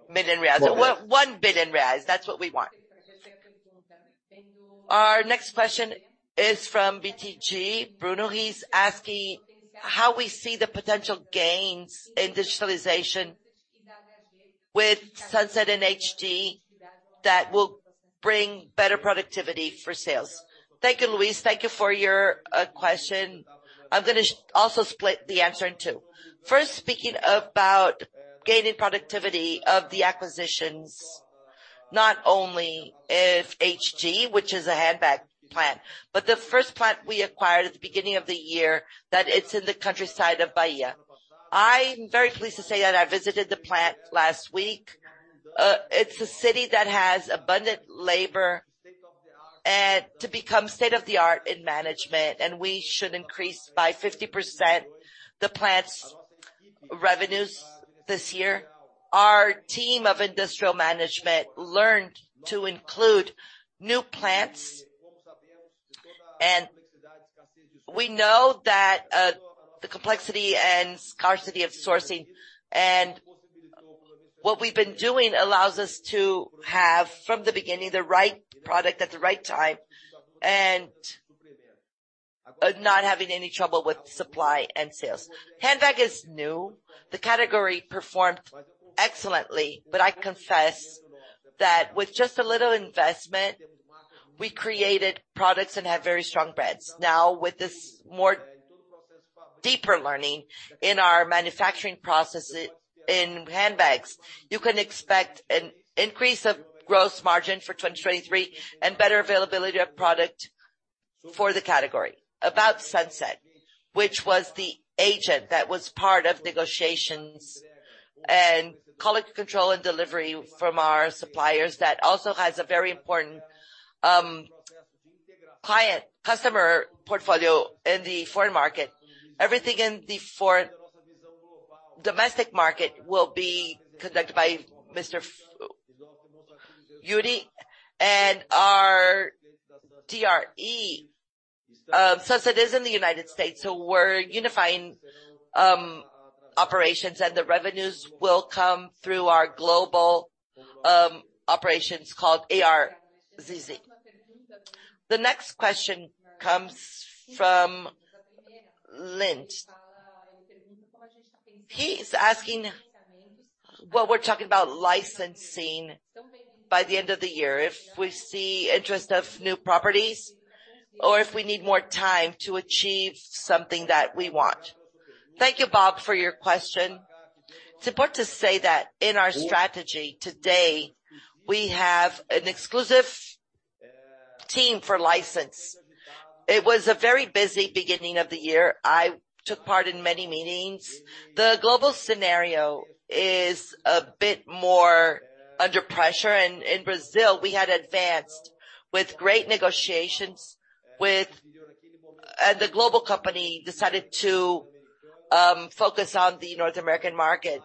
million reais. 1 billion reais. That's what we want. Our next question is from BTG. Bruno, he's asking how we see the potential gains in digitalization with Sunset and HG that will bring better productivity for sales. Thank you, Luis. Thank you for your question. I'm gonna also split the answer in two. First, speaking about gaining productivity of the acquisitions, not only of HG, which is a handbag plant, but the first plant we acquired at the beginning of the year, that it's in the countryside of Bahia. I'm very pleased to say that I visited the plant last week. It's a city that has abundant labor, and to become state-of-the-art in management, and we should increase by 50% the plant's revenues this year. Our team of industrial management learned to include new plants. We know that, the complexity and scarcity of sourcing and what we've been doing allows us to have, from the beginning, the right product at the right time. Of not having any trouble with supply and sales. Handbag is new. The category performed excellently, but I confess that with just a little investment, we created products and have very strong brands. Now, with this more deeper learning in our manufacturing process in handbags, you can expect an increase of gross margin for 2023 and better availability of product for the category. About Sunset, which was the agent that was part of negotiations and quality control and delivery from our suppliers that also has a very important, customer portfolio in the foreign market. Everything in the domestic market will be conducted by Mr. Yuri and our TRE. Since it is in the United States, we're unifying operations, and the revenues will come through our global operations called ARZZ. The next question comes from Luiz. He's asking, well, we're talking about licensing by the end of the year, if we see interest of new properties or if we need more time to achieve something that we want. Thank you, Bob, for your question. It's important to say that in our strategy today, we have an exclusive team for license. It was a very busy beginning of the year. I took part in many meetings. The global scenario is a bit more under pressure. In Brazil, we had advanced with great negotiations with the global company decided to focus on the North American market.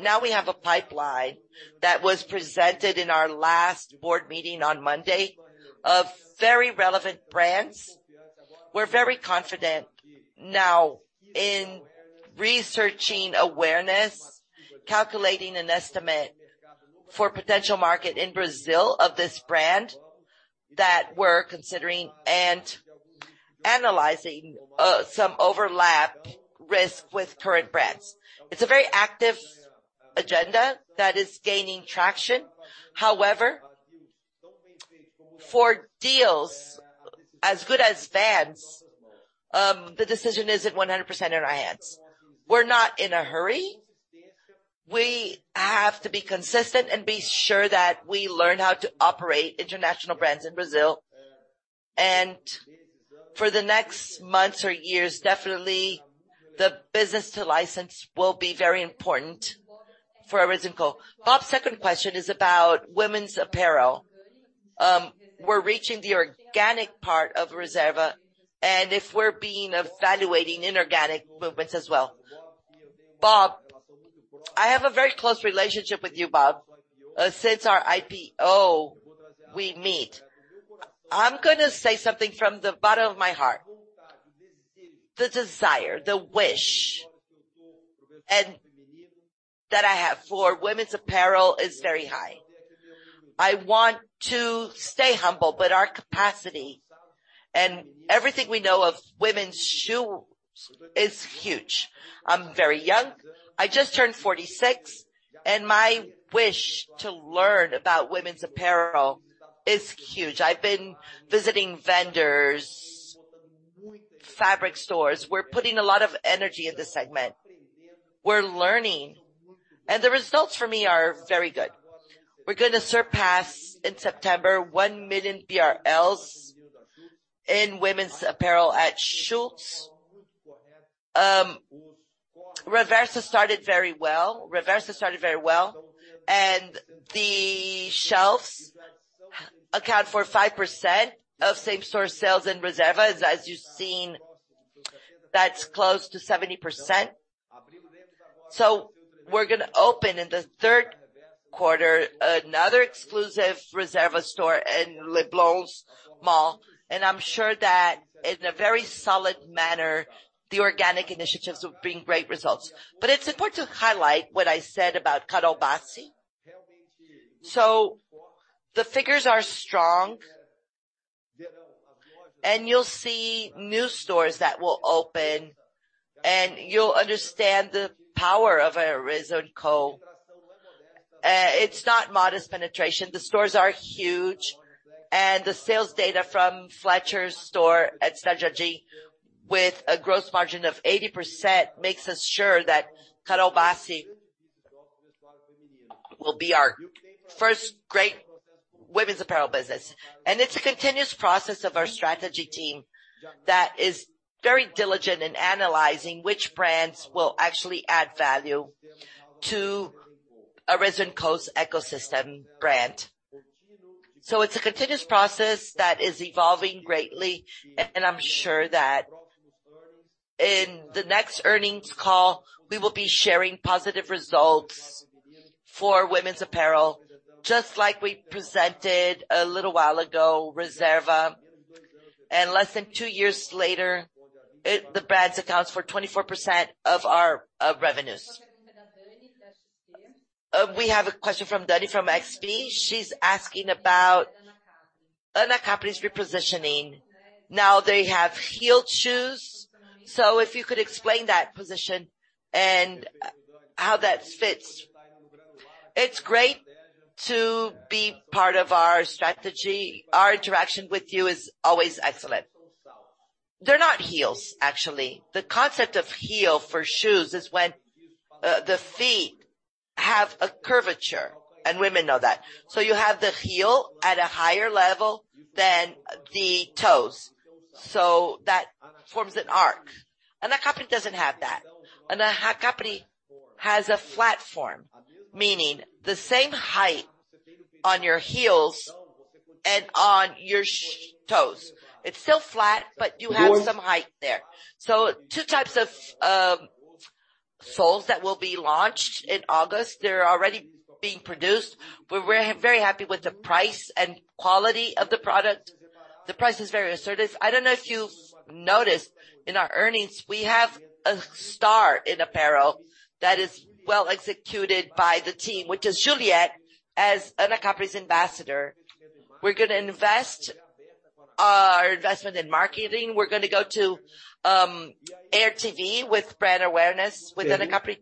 Now we have a pipeline that was presented in our last board meeting on Monday of very relevant brands. We're very confident now in researching awareness, calculating an estimate for potential market in Brazil of this brand that we're considering and analyzing some overlap risk with current brands. It's a very active agenda that is gaining traction. However, for deals as good as Vans, the decision isn't 100% in our hands. We're not in a hurry. We have to be consistent and be sure that we learn how to operate international brands in Brazil. For the next months or years, definitely the business to license will be very important for Arezzo&Co. Bob's second question is about women's apparel. We're reaching the organic part of Reserva, and we're evaluating inorganic movements as well. Bob, I have a very close relationship with you, Bob. Since our IPO, we meet. I'm gonna say something from the bottom of my heart. The desire, the wish, and that I have for women's apparel is very high. I want to stay humble, but our capacity and everything we know of women's shoes is huge. I'm very young. I just turned 46, and my wish to learn about women's apparel is huge. I've been visiting vendors, fabric stores. We're putting a lot of energy in this segment. We're learning, and the results for me are very good. We're gonna surpass in September 1 million BRL in women's apparel at Schutz. Reversa started very well, and the shelves account for 5% of same store sales in Reserva. As you've seen, that's close to 70%. We're gonna open in the third quarter another exclusive Reserva store in Shopping Leblon, and I'm sure that in a very solid manner, the organic initiatives will bring great results. It's important to highlight what I said about Carol Bassi. The figures are strong, and you'll see new stores that will open, and you'll understand the power of Arezzo&Co. It's not modest penetration. The stores are huge, and the sales data from the flagship store at Shopping Cidade Jardim with a gross margin of 80% makes us sure that Carol Bassi will be our first great women's apparel business. It's a continuous process of our strategy team that is very diligent in analyzing which brands will actually add value to Arezzo&Co.'s ecosystem brand. It's a continuous process that is evolving greatly, and I'm sure that in the next earnings call, we will be sharing positive results for women's apparel. Just like we presented a little while ago, Reserva, and less than two years later, the brands accounts for 24% of our revenues. We have a question from Danny, from XP. She's asking about Anacapri's repositioning. Now they have heeled shoes. If you could explain that position and how that fits. It's great to be part of our strategy. Our interaction with you is always excellent. They're not heels, actually. The concept of heel for shoes is when the feet have a curvature, and women know that. You have the heel at a higher level than the toes. That forms an arc. Anacapri doesn't have that. Anacapri has a flat form, meaning the same height on your heels and on your toes. It's still flat, but you have some height there. Two types of soles that will be launched in August. They're already being produced. We're very happy with the price and quality of the product. The price is very assertive. I don't know if you've noticed in our earnings, we have a star in apparel that is well executed by the team, which is Juliette as Anacapri's ambassador. We're gonna invest our investment in marketing. We're gonna go on air on TV with brand awareness with Anacapri.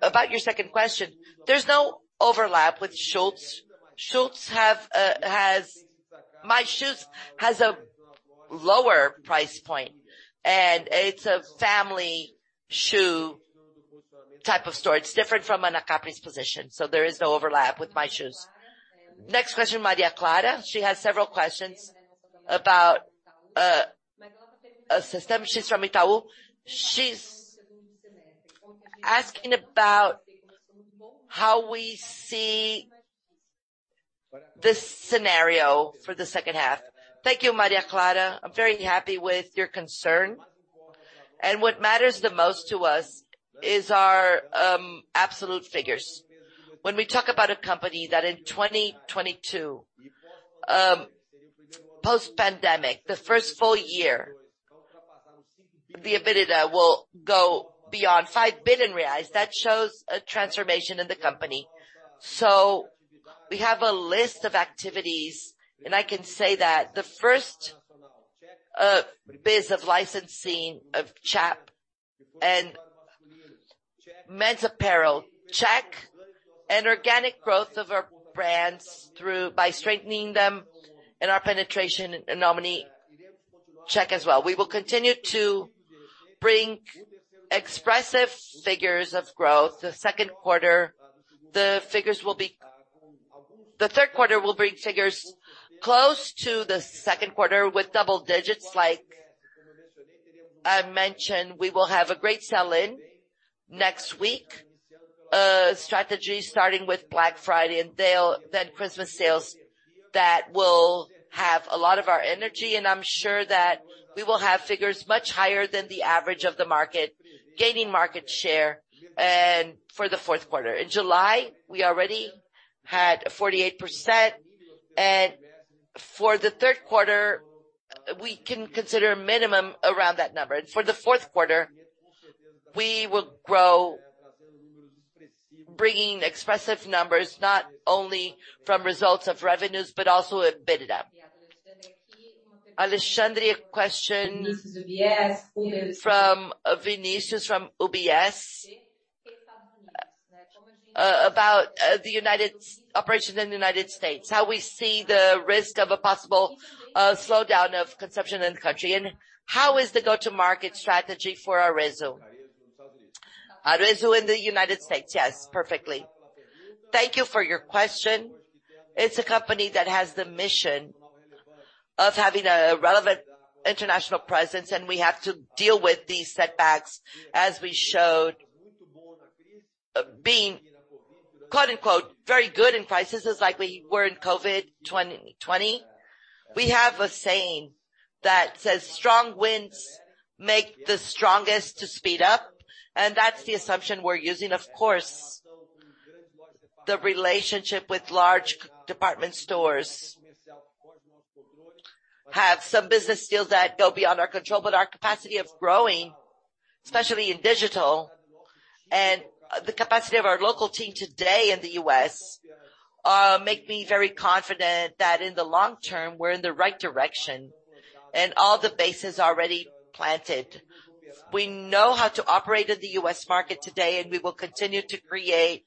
About your second question, there's no overlap with Schutz. My Shoes has a lower price point, and it's a family shoe type of store. It's different from Anacapri's position, so there is no overlap with My Shoes. Next question, Maria Clara. She has several questions about a system. She's from Itaú. She's asking about how we see this scenario for the second half. Thank you, Maria Clara. I'm very happy with your concern. What matters the most to us is our absolute figures. When we talk about a company that in 2022, post-pandemic, the first full year, the EBITDA will go beyond 5 billion reais. That shows a transformation in the company. We have a list of activities, and I can say that the first base of licensing of Schutz and men's apparel, check. Organic growth of our brands by strengthening them and our penetration, namely, check as well. We will continue to bring expressive figures of growth. The third quarter will bring figures close to the second quarter with double digits. Like I mentioned, we will have a great sell-in next week. Strategy starting with Black Friday and sale, then Christmas sales that will have a lot of our energy, and I'm sure that we will have figures much higher than the average of the market, gaining market share, and for the fourth quarter. In July, we already had 48%, and for the third quarter, we can consider minimum around that number. For the fourth quarter, we will grow, bringing expressive numbers not only from results of revenues, but also EBITDA. Alexandre's question from Vinicius from UBS about the operations in the United States, how we see the risk of a possible slowdown of consumption in the country, and how is the go-to-market strategy for Arezzo. Arezzo in the United States. Yes, perfectly. Thank you for your question. It's a company that has the mission of having a relevant international presence, and we have to deal with these setbacks as we showed being quote-unquote, "very good in crisis," just like we were in COVID 2020. We have a saying that says, "Strong winds make the strongest to speed up," and that's the assumption we're using. Of course, the relationship with large department stores have some business deals that go beyond our control, but our capacity of growing, especially in digital and the capacity of our local team today in the U.S., make me very confident that in the long term, we're in the right direction and all the bases are already planted. We know how to operate in the U.S. market today, and we will continue to create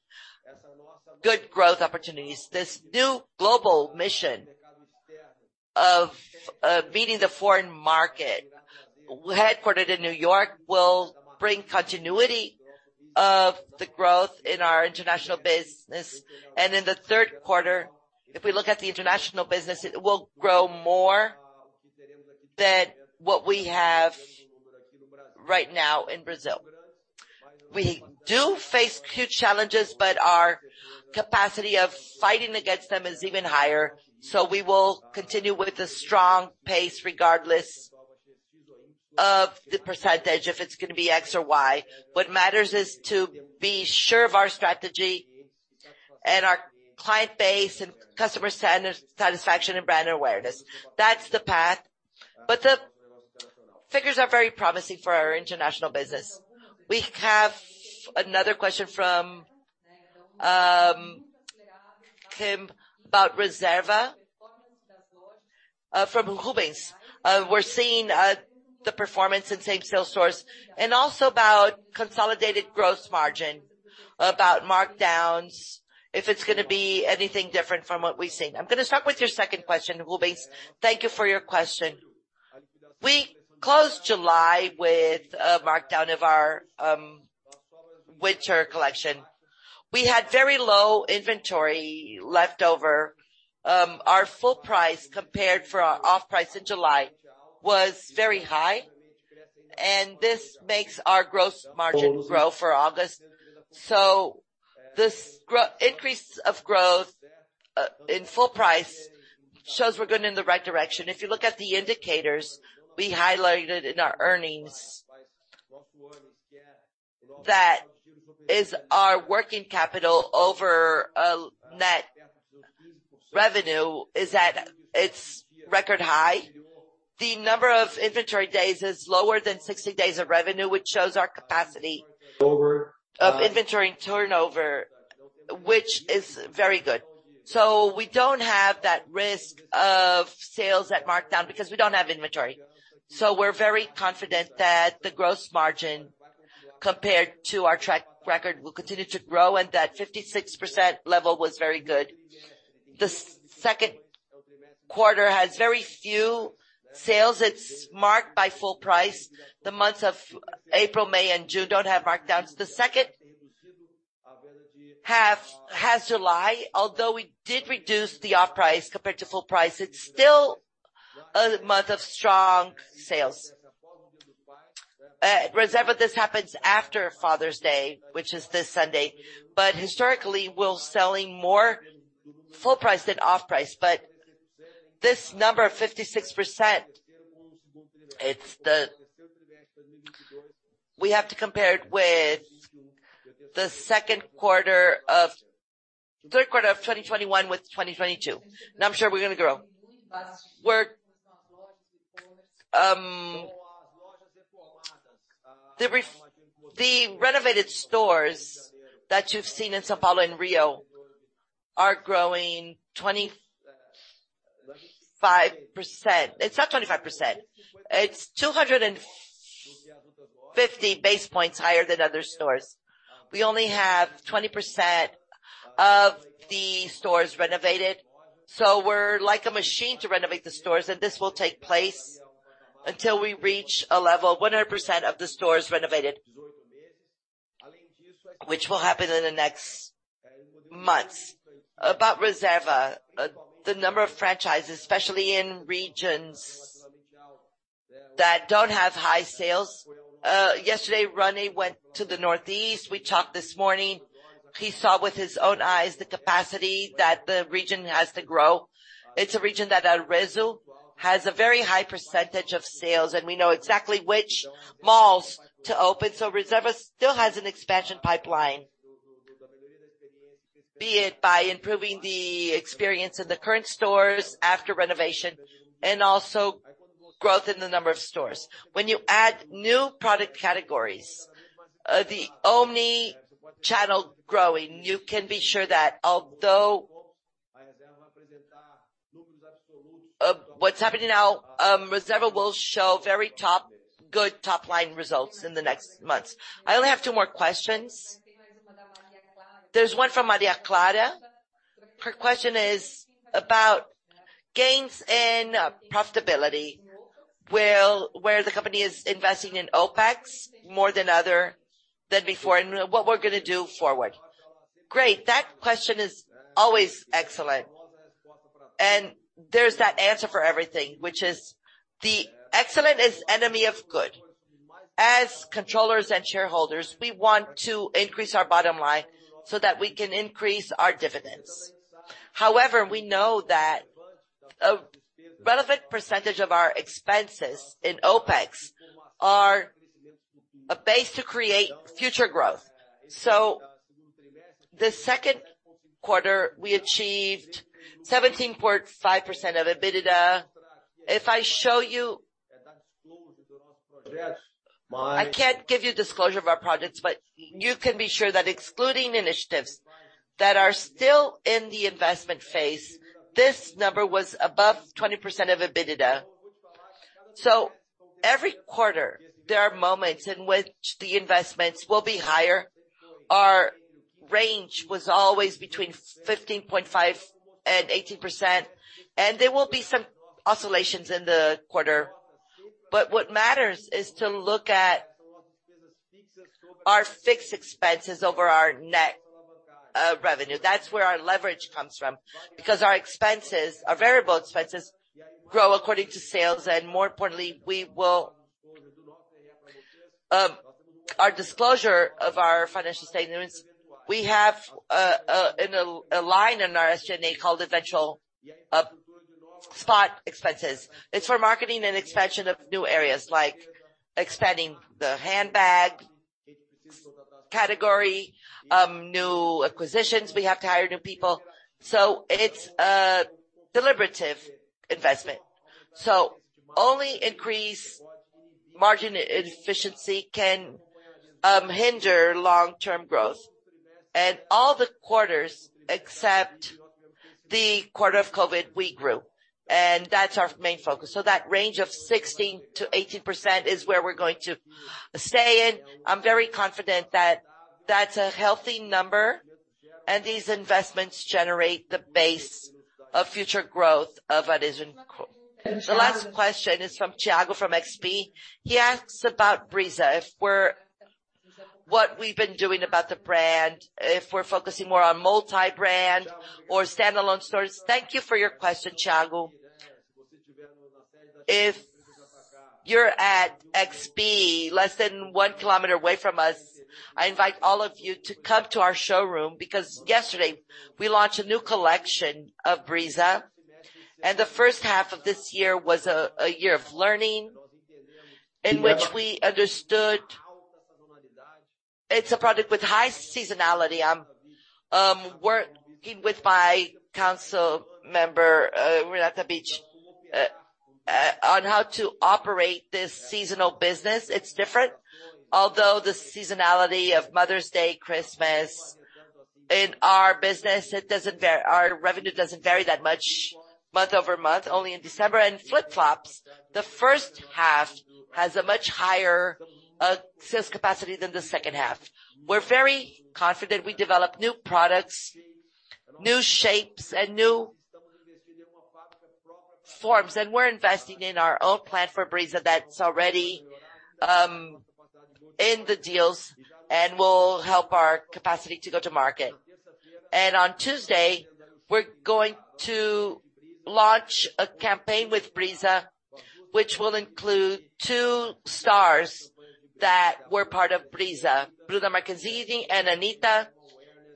good growth opportunities. This new global mission of meeting the foreign market, headquartered in New York, will bring continuity of the growth in our international business. In the third quarter, if we look at the international business, it will grow more than what we have right now in Brazil. We do face huge challenges, but our capacity of fighting against them is even higher. We will continue with a strong pace regardless of the percentage, if it's gonna be X or Y. What matters is to be sure of our strategy and our client base and customer satisfaction and brand awareness. That's the path. Figures are very promising for our international business. We have another question from Kim about Reserva from Rubens. We're seeing the performance in same-store sales and also about consolidated gross margin, about markdowns, if it's gonna be anything different from what we've seen. I'm gonna start with your second question, Rubens. Thank you for your question. We closed July with a markdown of our winter collection. We had very low inventory left over. Our full price compared to our off price in July was very high, and this makes our gross margin grow for August. This increase of growth in full price shows we're going in the right direction. If you look at the indicators we highlighted in our earnings, that is our working capital over a net revenue is at its record high. The number of inventory days is lower than 60 days of revenue, which shows our capacity. Over, of inventory turnover, which is very good. We don't have that risk of sales at markdown because we don't have inventory. We're very confident that the gross margin, compared to our track record, will continue to grow and that 56% level was very good. The second quarter has very few sales. It's marked by full price. The months of April, May, and June don't have markdowns. The second half has July. Although we did reduce the off price compared to full price, it's still a month of strong sales. Reserva, this happens after Father's Day, which is this Sunday. Historically, we're selling more full price than off price. This number, 56%, it's the. We have to compare it with the third quarter of 2021 with 2022. I'm sure we're gonna grow. We're. The renovated stores that you've seen in São Paulo and Rio are growing 25%. It's not 25%. It's 250 basis points higher than other stores. We only have 20% of the stores renovated. We're like a machine to renovate the stores, and this will take place until we reach a level, 100% of the stores renovated, which will happen in the next months. About Reserva, the number of franchises, especially in regions that don't have high sales. Yesterday, Ronnie went to the Northeast. We talked this morning. He saw with his own eyes the capacity that the region has to grow. It's a region that Arezzo has a very high percentage of sales, and we know exactly which malls to open. Reserva still has an expansion pipeline, be it by improving the experience in the current stores after renovation and also growth in the number of stores. When you add new product categories, the omnichannel growing, you can be sure that although what's happening now, Reserva will show very good top-line results in the next months. I only have two more questions. There's one from Maria Clara. Her question is about gains in profitability. Where the company is investing in OpEx more than before, and what we're gonna do forward. Great. That question is always excellent. There's that answer for everything, which is the excellent is enemy of good. As controllers and shareholders, we want to increase our bottom line so that we can increase our dividends. However, we know that a relevant percentage of our expenses in OpEx are a base to create future growth. This second quarter, we achieved 17.5% of EBITDA. If I show you. That's my. I can't give you disclosure of our projects, but you can be sure that excluding initiatives that are still in the investment phase, this number was above 20% of EBITDA. Every quarter, there are moments in which the investments will be higher. Our range was always between 15.5% and 18%, and there will be some oscillations in the quarter. What matters is to look at our fixed expenses over our net revenue. That's where our leverage comes from, because our expenses, our variable expenses grow according to sales, and more importantly, our disclosure of our financial statements, we have in a line in our SG&A called eventual spot expenses. It's for marketing and expansion of new areas like expanding the handbag category, new acquisitions, we have to hire new people. It's a deliberate investment. Only increasing margin efficiency can hinder long-term growth. All the quarters except the quarter of COVID we grew. That's our main focus. That range of 16%-18% is where we're going to stay in. I'm very confident that that's a healthy number, and these investments generate the base of future growth of Arezzo&Co. The last question is from Thiago, from XP. He asks about Brizza, what we've been doing about the brand, if we're focusing more on multi-brand or standalone stores. Thank you for your question, Thiago. If you're at XP, less than one kilometer away from us, I invite all of you to come to our showroom because yesterday we launched a new collection of Brizza, and the first half of this year was a year of learning in which we understood it's a product with high seasonality. Working with my council member, Renata Bich, on how to operate this seasonal business. It's different. Although the seasonality of Mother's Day, Christmas, in our business, our revenue doesn't vary that much month-over-month, only in December. Flip-flops, the first half has a much higher sales capacity than the second half. We're very confident we develop new products, new shapes, and new forms. We're investing in our own plant for Brizza that's already in the deals and will help our capacity to go to market. On Tuesday, we're going to launch a campaign with Brizza, which will include two stars that were part of Brizza, Bruna Marquezine and Anitta,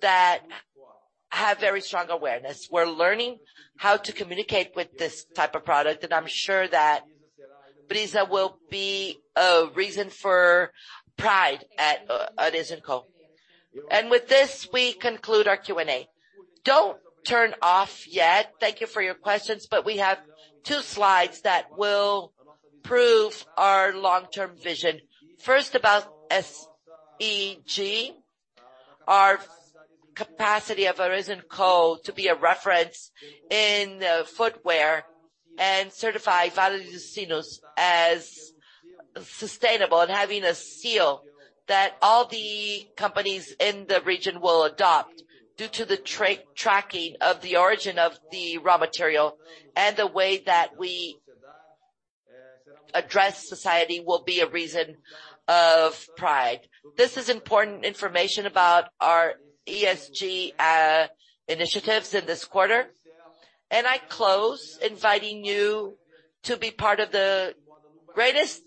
that have very strong awareness. We're learning how to communicate with this type of product, and I'm sure that Brizza will be a reason for pride at Arezzo&Co. With this, we conclude our Q&A. Don't turn off yet. Thank you for your questions, but we have two slides that will prove our long-term vision. First, about ESG, our capacity of Arezzo&Co. To be a reference in footwear and certify Vale dos Sinos as sustainable and having a seal that all the companies in the region will adopt due to the tracking of the origin of the raw material and the way that we address society will be a reason of pride. This is important information about our ESG initiatives in this quarter. I close inviting you to be part of the greatest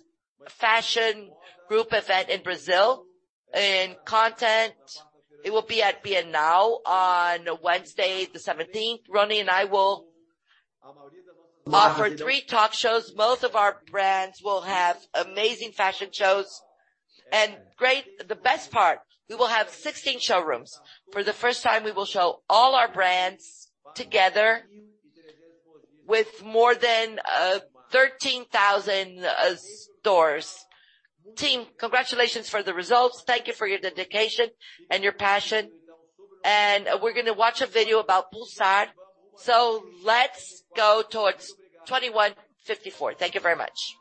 fashion group event in Brazil. In content, it will be at Bienal on Wednesday, the seventeenth. Ronnie and I will offer three talk shows. Most of our brands will have amazing fashion shows. The best part, we will have 16 showrooms. For the first time, we will show all our brands together with more than 13,000 stores. Team, congratulations for the results. Thank you for your dedication and your passion. We're gonna watch a video about Pulsar. Let's go towards Azzas 2154. Thank you very much.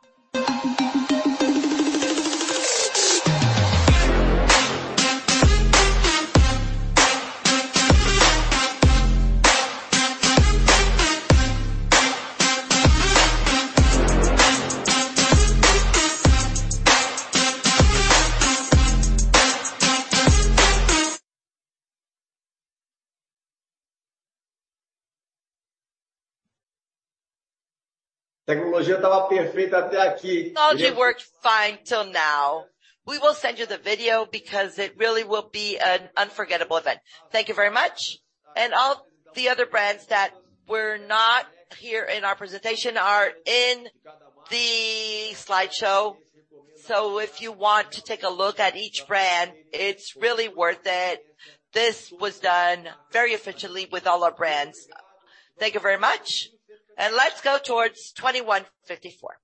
Technology worked fine till now. We will send you the video because it really will be an unforgettable event. Thank you very much. All the other brands that were not here in our presentation are in the slideshow. If you want to take a look at each brand, it's really worth it. This was done very efficiently with all our brands. Thank you very much. Let's go towards Azzas 2154.